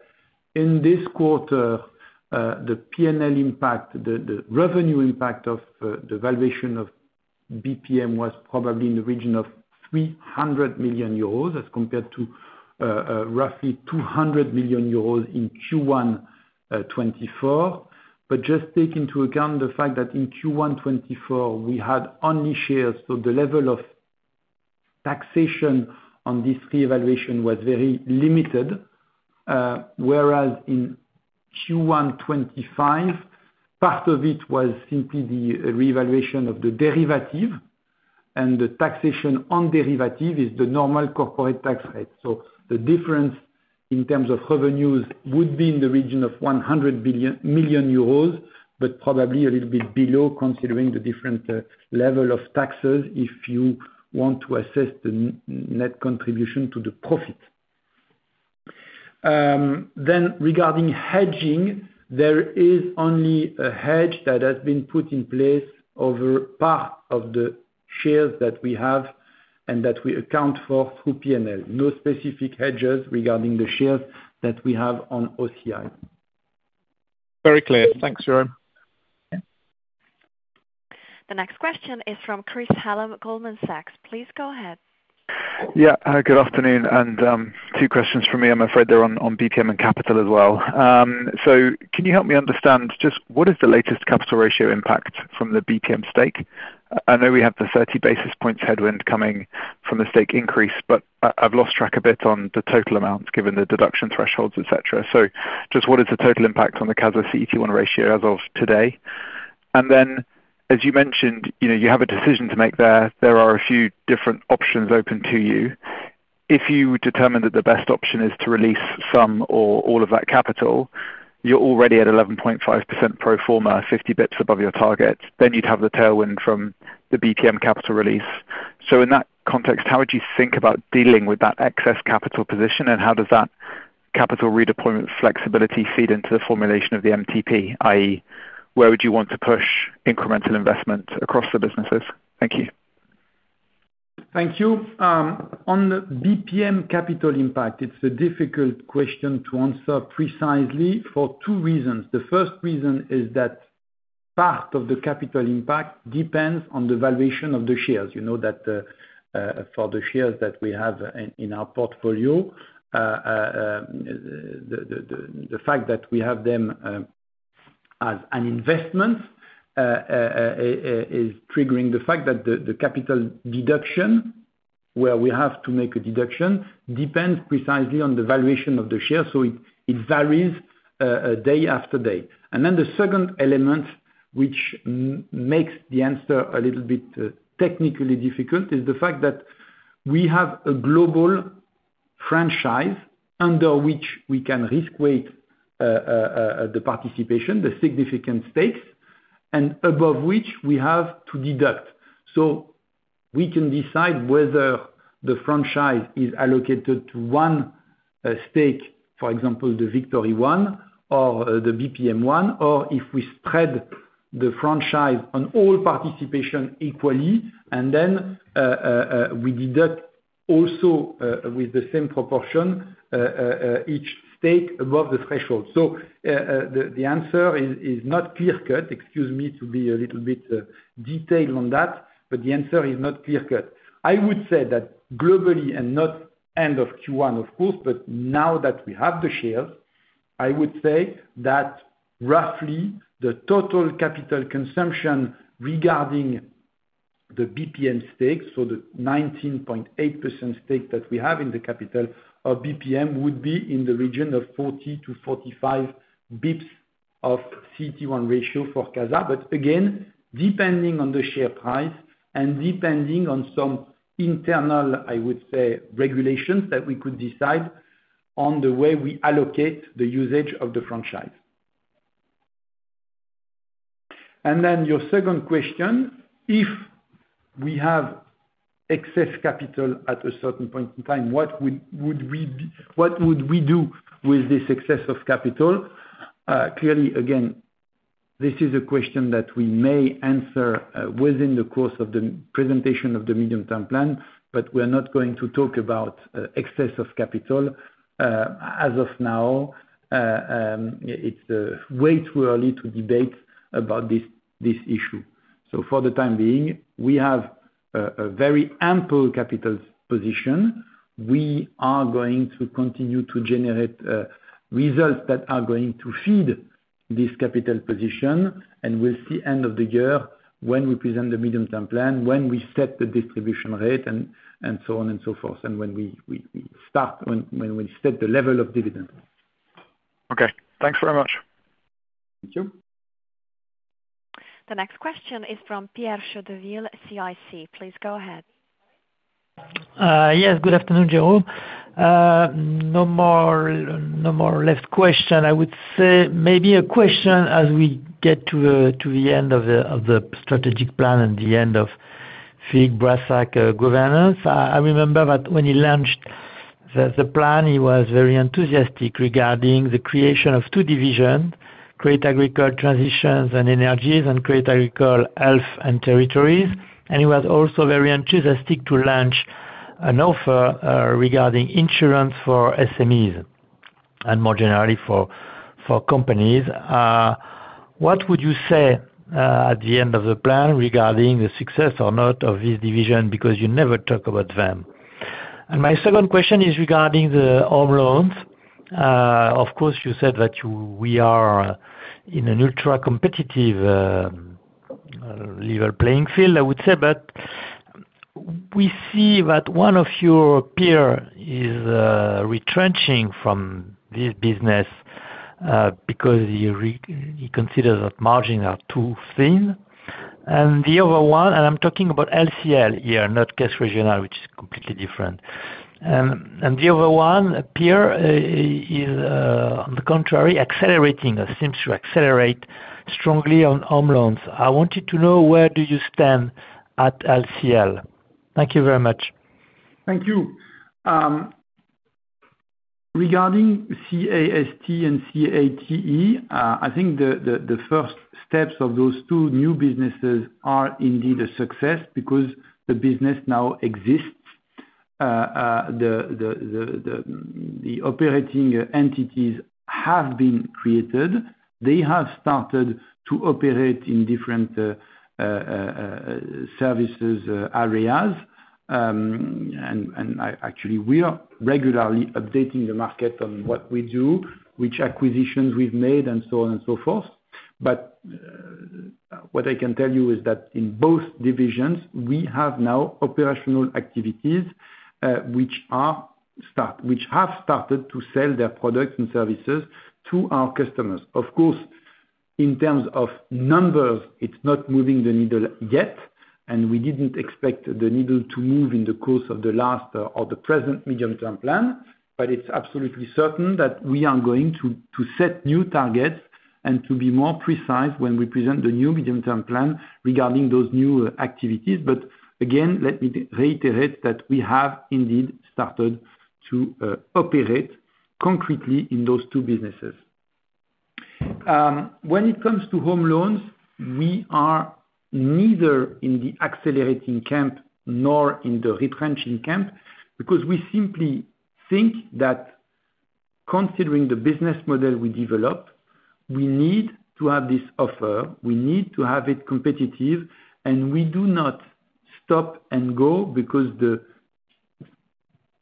Speaker 2: in this quarter, the P&L impact, the revenue impact of the valuation of BPM was probably in the region of 300 million euros as compared to roughly 200 million euros in Q1 2024. Just take into account the fact that in Q1 2024, we had only shares, so the level of taxation on this revaluation was very limited, whereas in Q1 2025, part of it was simply the revaluation of the derivative, and the taxation on derivative is the normal corporate tax rate. The difference in terms of revenues would be in the region of 100 million euros, but probably a little bit below considering the different level of taxes if you want to assess the net contribution to the profit. Regarding hedging, there is only a hedge that has been put in place over part of the shares that we have and that we account for through P&L. No specific hedges regarding the shares that we have on OCI.
Speaker 8: Very clear. Thanks, Jérôme.
Speaker 1: The next question is from Chris Hallam, Goldman Sachs. Please go ahead.
Speaker 9: Yeah. Good afternoon. Two questions for me. I'm afraid they're on BPM and capital as well. Can you help me understand just what is the latest capital ratio impact from the BPM stake? I know we have the 30 basis points headwind coming from the stake increase, but I've lost track a bit on the total amounts given the deduction thresholds, etc. Just what is the total impact on the CASA CET1 ratio as of today? As you mentioned, you have a decision to make there. There are a few different options open to you. If you determine that the best option is to release some or all of that capital, you're already at 11.5% pro forma, 50 basis points above your target, you would have the tailwind from the BPM capital release. In that context, how would you think about dealing with that excess capital position, and how does that capital redeployment flexibility feed into the formulation of the MTP, i.e., where would you want to push incremental investment across the businesses? Thank you.
Speaker 2: Thank you. On the BPM capital impact, it's a difficult question to answer precisely for two reasons. The first reason is that part of the capital impact depends on the valuation of the shares. You know that for the shares that we have in our portfolio, the fact that we have them as an investment is triggering the fact that the capital deduction, where we have to make a deduction, depends precisely on the valuation of the share. It varies day after day. The second element, which makes the answer a little bit technically difficult, is the fact that we have a global franchise under which we can risk-weight the participation, the significant stakes, and above which we have to deduct. We can decide whether the franchise is allocated to one stake, for example, the Victory one or the BPM one, or if we spread the franchise on all participation equally, and then we deduct also with the same proportion each stake above the threshold. The answer is not clear-cut. Excuse me to be a little bit detailed on that, but the answer is not clear-cut. I would say that globally, and not end of Q1, of course, but now that we have the shares, I would say that roughly the total capital consumption regarding the BPM stake, so the 19.8% stake that we have in the capital of BPM, would be in the region of 40-45 basis points of CET1 ratio for CASA. Again, depending on the share price and depending on some internal, I would say, regulations that we could decide on the way we allocate the usage of the franchise. Then your second question, if we have excess capital at a certain point in time, what would we do with this excess of capital? Clearly, again, this is a question that we may answer within the course of the presentation of the medium-term plan, but we're not going to talk about excess of capital as of now. It's way too early to debate about this issue. For the time being, we have a very ample capital position. We are going to continue to generate results that are going to feed this capital position, and we'll see end of the year when we present the medium-term plan, when we set the distribution rate, and so on and so forth, and when we start, when we set the level of dividend.
Speaker 9: Okay. Thanks very much.
Speaker 2: Thank you.
Speaker 1: The next question is from Pierre Chédeville, CIC. Please go ahead.
Speaker 10: Yes. Good afternoon, Jérôme. No more left question. I would say maybe a question as we get to the end of the strategic plan and the end of Philippe Brassac's governance. I remember that when he launched the plan, he was very enthusiastic regarding the creation of two divisions: Crédit Agricole Transitions and Energies, and Crédit Agricole Health and Territories. He was also very enthusiastic to launch an offer regarding insurance for SMEs and more generally for companies. What would you say at the end of the plan regarding the success or not of this division? Because you never talk about them. My second question is regarding the home loans. Of course, you said that we are in an ultra-competitive level playing field, I would say, but we see that one of your peers is retrenching from this business because he considers that margins are too thin. The other one, and I'm talking about LCL here, not Caisse Régionale, which is completely different. The other one here is, on the contrary, accelerating, seems to accelerate strongly on home loans. I wanted to know where do you stand at LCL? Thank you very much.
Speaker 2: Thank you. Regarding CAST and CATE, I think the first steps of those two new businesses are indeed a success because the business now exists. The operating entities have been created. They have started to operate in different services areas. Actually, we are regularly updating the market on what we do, which acquisitions we've made, and so on and so forth. What I can tell you is that in both divisions, we have now operational activities which have started to sell their products and services to our customers. Of course, in terms of numbers, it's not moving the needle yet, and we didn't expect the needle to move in the course of the last or the present medium-term plan, but it's absolutely certain that we are going to set new targets and to be more precise when we present the new medium-term plan regarding those new activities. Again, let me reiterate that we have indeed started to operate concretely in those two businesses. When it comes to home loans, we are neither in the accelerating camp nor in the retrenching camp because we simply think that considering the business model we developed, we need to have this offer, we need to have it competitive, and we do not stop and go because the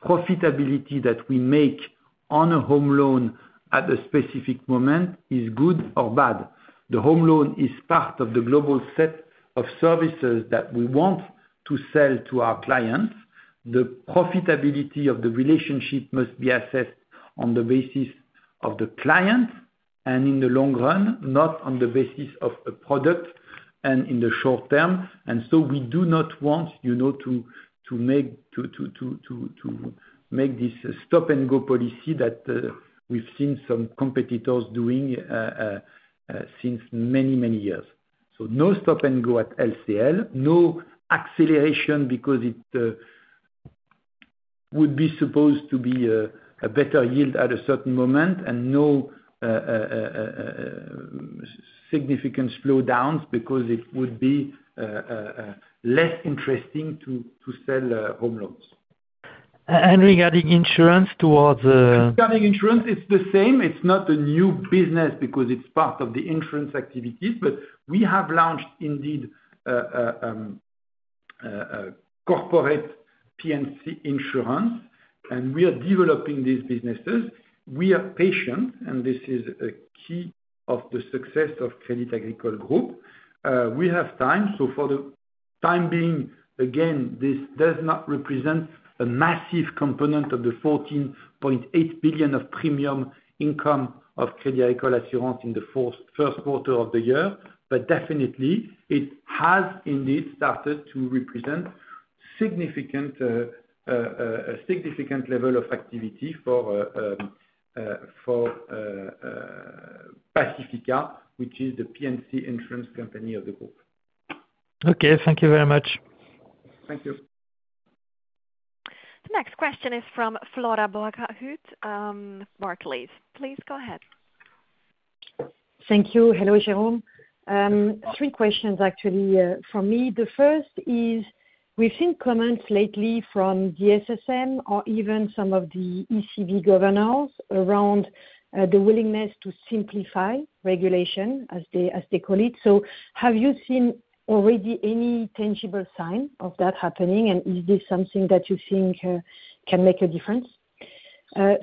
Speaker 2: profitability that we make on a home loan at a specific moment is good or bad. The home loan is part of the global set of services that we want to sell to our clients. The profitability of the relationship must be assessed on the basis of the client and in the long run, not on the basis of a product and in the short term. We do not want to make this stop-and-go policy that we've seen some competitors doing since many, many years. No stop-and-go at LCL, no acceleration because it would be supposed to be a better yield at a certain moment, and no significant slowdowns because it would be less interesting to sell home loans. Regarding insurance, it is the same. It is not a new business because it is part of the insurance activities, but we have launched indeed corporate P&C insurance, and we are developing these businesses. We are patient, and this is a key of the success of Crédit Agricole Group. We have time. For the time being, again, this does not represent a massive component of the 14.8 billion of premium income of Crédit Agricole Assurances in the first quarter of the year, but definitely, it has indeed started to represent a significant level of activity for Pacifica, which is the P&C insurance company of the group.
Speaker 10: Okay. Thank you very much.
Speaker 2: Thank you.
Speaker 1: The next question is from Flora Bocahut. Barclays. Please go ahead.
Speaker 11: Thank you. Hello, Jérôme. Three questions actually from me. The first is we've seen comments lately from the SSM or even some of the ECB governors around the willingness to simplify regulation, as they call it. Have you seen already any tangible sign of that happening, and is this something that you think can make a difference?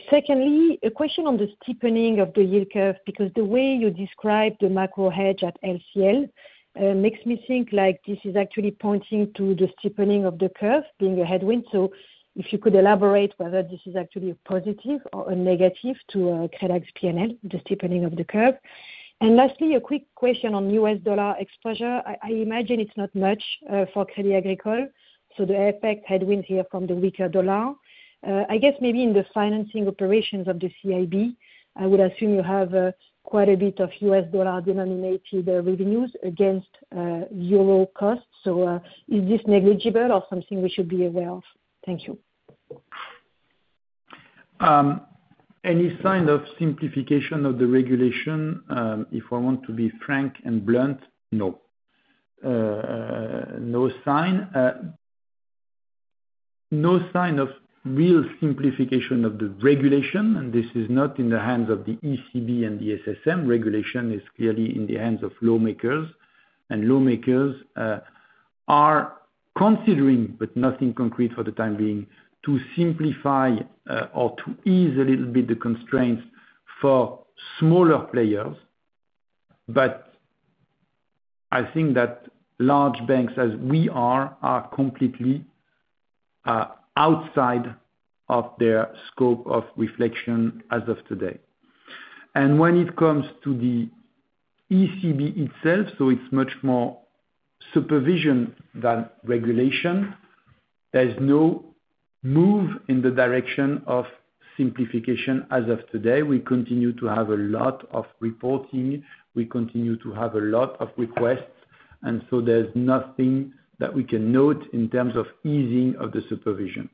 Speaker 11: Secondly, a question on the steepening of the yield curve because the way you described the macro hedge at LCL makes me think this is actually pointing to the steepening of the curve being a headwind. If you could elaborate whether this is actually a positive or a negative to Crédit Agricole's P&L, the steepening of the curve. Lastly, a quick question on U.S. dollar exposure. I imagine it's not much for Crédit Agricole. The effect headwind here from the weaker dollar. I guess maybe in the financing operations of the CIB, I would assume you have quite a bit of U.S. dollar denominated revenues against euro costs. Is this negligible or something we should be aware of? Thank you.
Speaker 2: Any sign of simplification of the regulation? If I want to be frank and blunt, no. No sign of real simplification of the regulation, and this is not in the hands of the ECB and the SSM. Regulation is clearly in the hands of lawmakers, and lawmakers are considering, but nothing concrete for the time being, to simplify or to ease a little bit the constraints for smaller players. I think that large banks, as we are, are completely outside of their scope of reflection as of today. When it comes to the ECB itself, it is much more supervision than regulation. There is no move in the direction of simplification as of today. We continue to have a lot of reporting. We continue to have a lot of requests, and there is nothing that we can note in terms of easing of the supervision.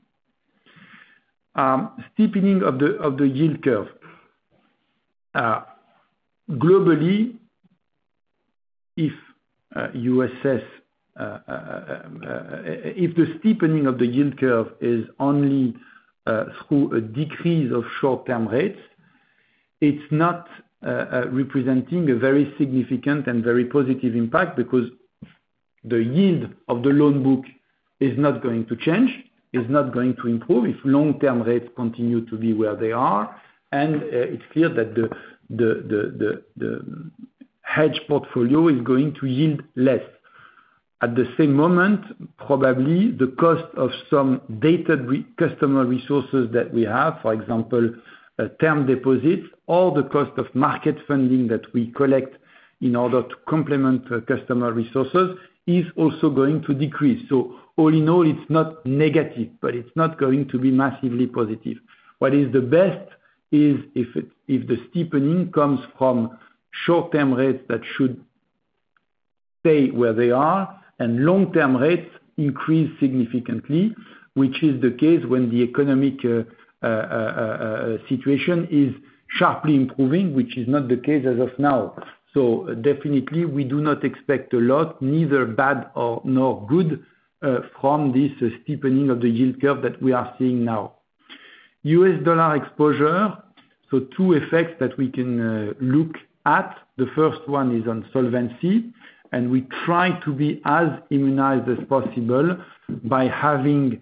Speaker 2: Steepening of the yield curve. Globally, if the steepening of the yield curve is only through a decrease of short-term rates, it is not representing a very significant and very positive impact because the yield of the loan book is not going to change, is not going to improve if long-term rates continue to be where they are. It is clear that the hedge portfolio is going to yield less. At the same moment, probably the cost of some data customer resources that we have, for example, term deposits, or the cost of market funding that we collect in order to complement customer resources is also going to decrease. All in all, it is not negative, but it is not going to be massively positive. What is the best is if the steepening comes from short-term rates that should stay where they are and long-term rates increase significantly, which is the case when the economic situation is sharply improving, which is not the case as of now. Definitely, we do not expect a lot, neither bad nor good, from this steepening of the yield curve that we are seeing now. U.S. dollar exposure, so two effects that we can look at. The first one is on solvency, and we try to be as immunized as possible by having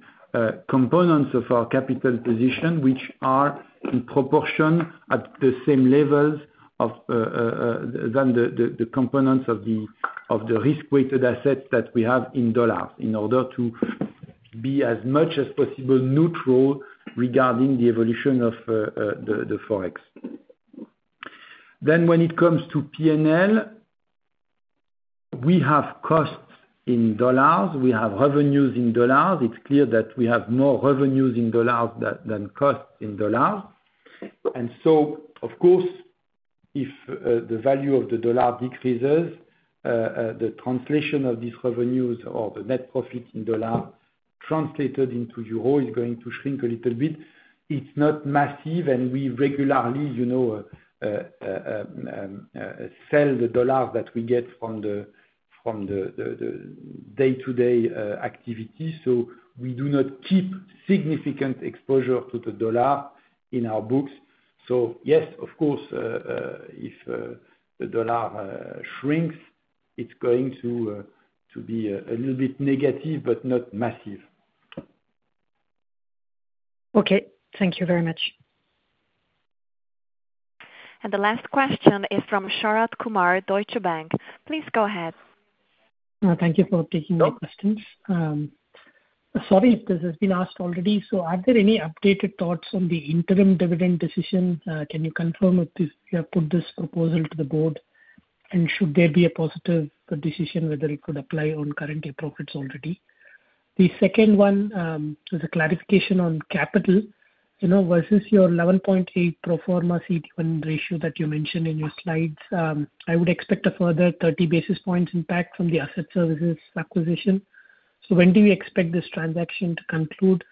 Speaker 2: components of our capital position which are in proportion at the same levels as the components of the risk-weighted assets that we have in dollars in order to be as much as possible neutral regarding the evolution of the forex. When it comes to P&L, we have costs in dollars. We have revenues in dollars. It's clear that we have more revenues in dollars than costs in dollars. Of course, if the value of the dollar decreases, the translation of these revenues or the net profit in dollars translated into euro is going to shrink a little bit. It's not massive, and we regularly sell the dollars that we get from the day-to-day activity. We do not keep significant exposure to the dollar in our books. Yes, of course, if the dollar shrinks, it's going to be a little bit negative, but not massive.
Speaker 11: Okay. Thank you very much.
Speaker 1: The last question is from Sharath Kumar, Deutsche Bank. Please go ahead.
Speaker 12: Thank you for taking my questions. Sorry if this has been asked already. Are there any updated thoughts on the interim dividend decision? Can you confirm if you have put this proposal to the board, and should there be a positive decision whether it would apply on currently appropriate already? The second one is a clarification on capital versus your 11.8 pro forma CET1 ratio that you mentioned in your slides. I would expect a further 30 basis points impact from the asset services acquisition. When do you expect this transaction to conclude?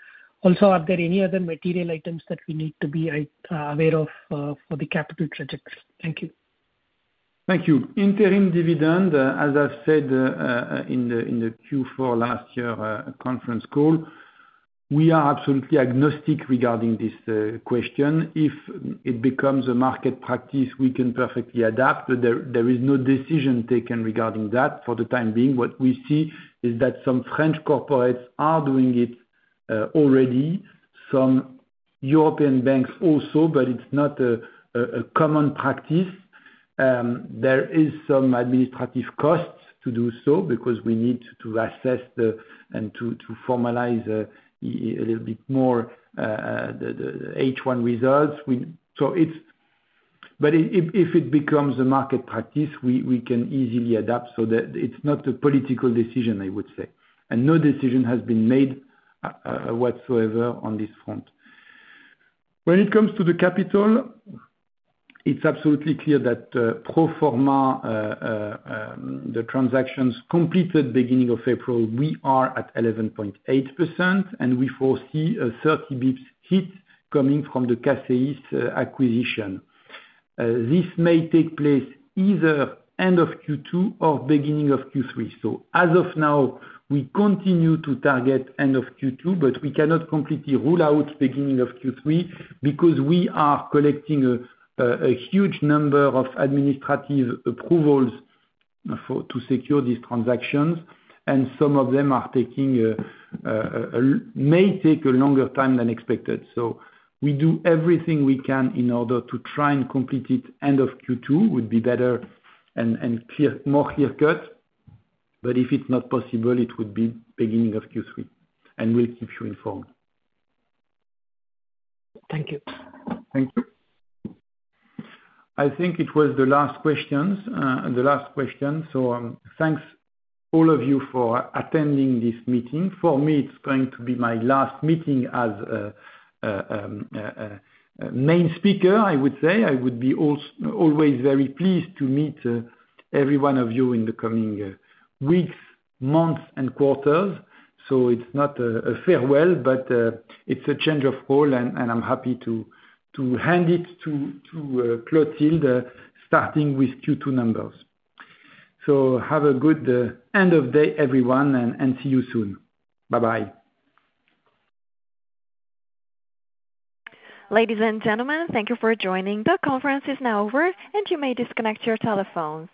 Speaker 12: Also, are there any other material items that we need to be aware of for the capital trajectory? Thank you.
Speaker 2: Thank you. Interim dividend, as I've said in the Q4 last year conference call, we are absolutely agnostic regarding this question. If it becomes a market practice, we can perfectly adapt, but there is no decision taken regarding that for the time being. What we see is that some French corporates are doing it already, some European banks also, but it's not a common practice. There is some administrative cost to do so because we need to assess and to formalize a little bit more the H1 results. If it becomes a market practice, we can easily adapt. It is not a political decision, I would say. No decision has been made whatsoever on this front. When it comes to the capital, it's absolutely clear that pro forma, the transactions completed beginning of April, we are at 11.8%, and we foresee a 30 basis points hit coming from the CACEIS acquisition. This may take place either end of Q2 or beginning of Q3. As of now, we continue to target end of Q2, but we cannot completely rule out beginning of Q3 because we are collecting a huge number of administrative approvals to secure these transactions, and some of them may take a longer time than expected. We do everything we can in order to try and complete it end of Q2. It would be better and more clear-cut. If it's not possible, it would be beginning of Q3. We'll keep you informed.
Speaker 12: Thank you.
Speaker 2: Thank you. I think it was the last questions. Thanks all of you for attending this meeting. For me, it's going to be my last meeting as a main speaker, I would say. I would be always very pleased to meet every one of you in the coming weeks, months, and quarters. It is not a farewell, but it's a change of role, and I'm happy to hand it to Clotilde, starting with Q2 numbers. Have a good end of day, everyone, and see you soon. Bye-bye.
Speaker 1: Ladies and gentlemen, thank you for joining. The conference is now over, and you may disconnect your telephones.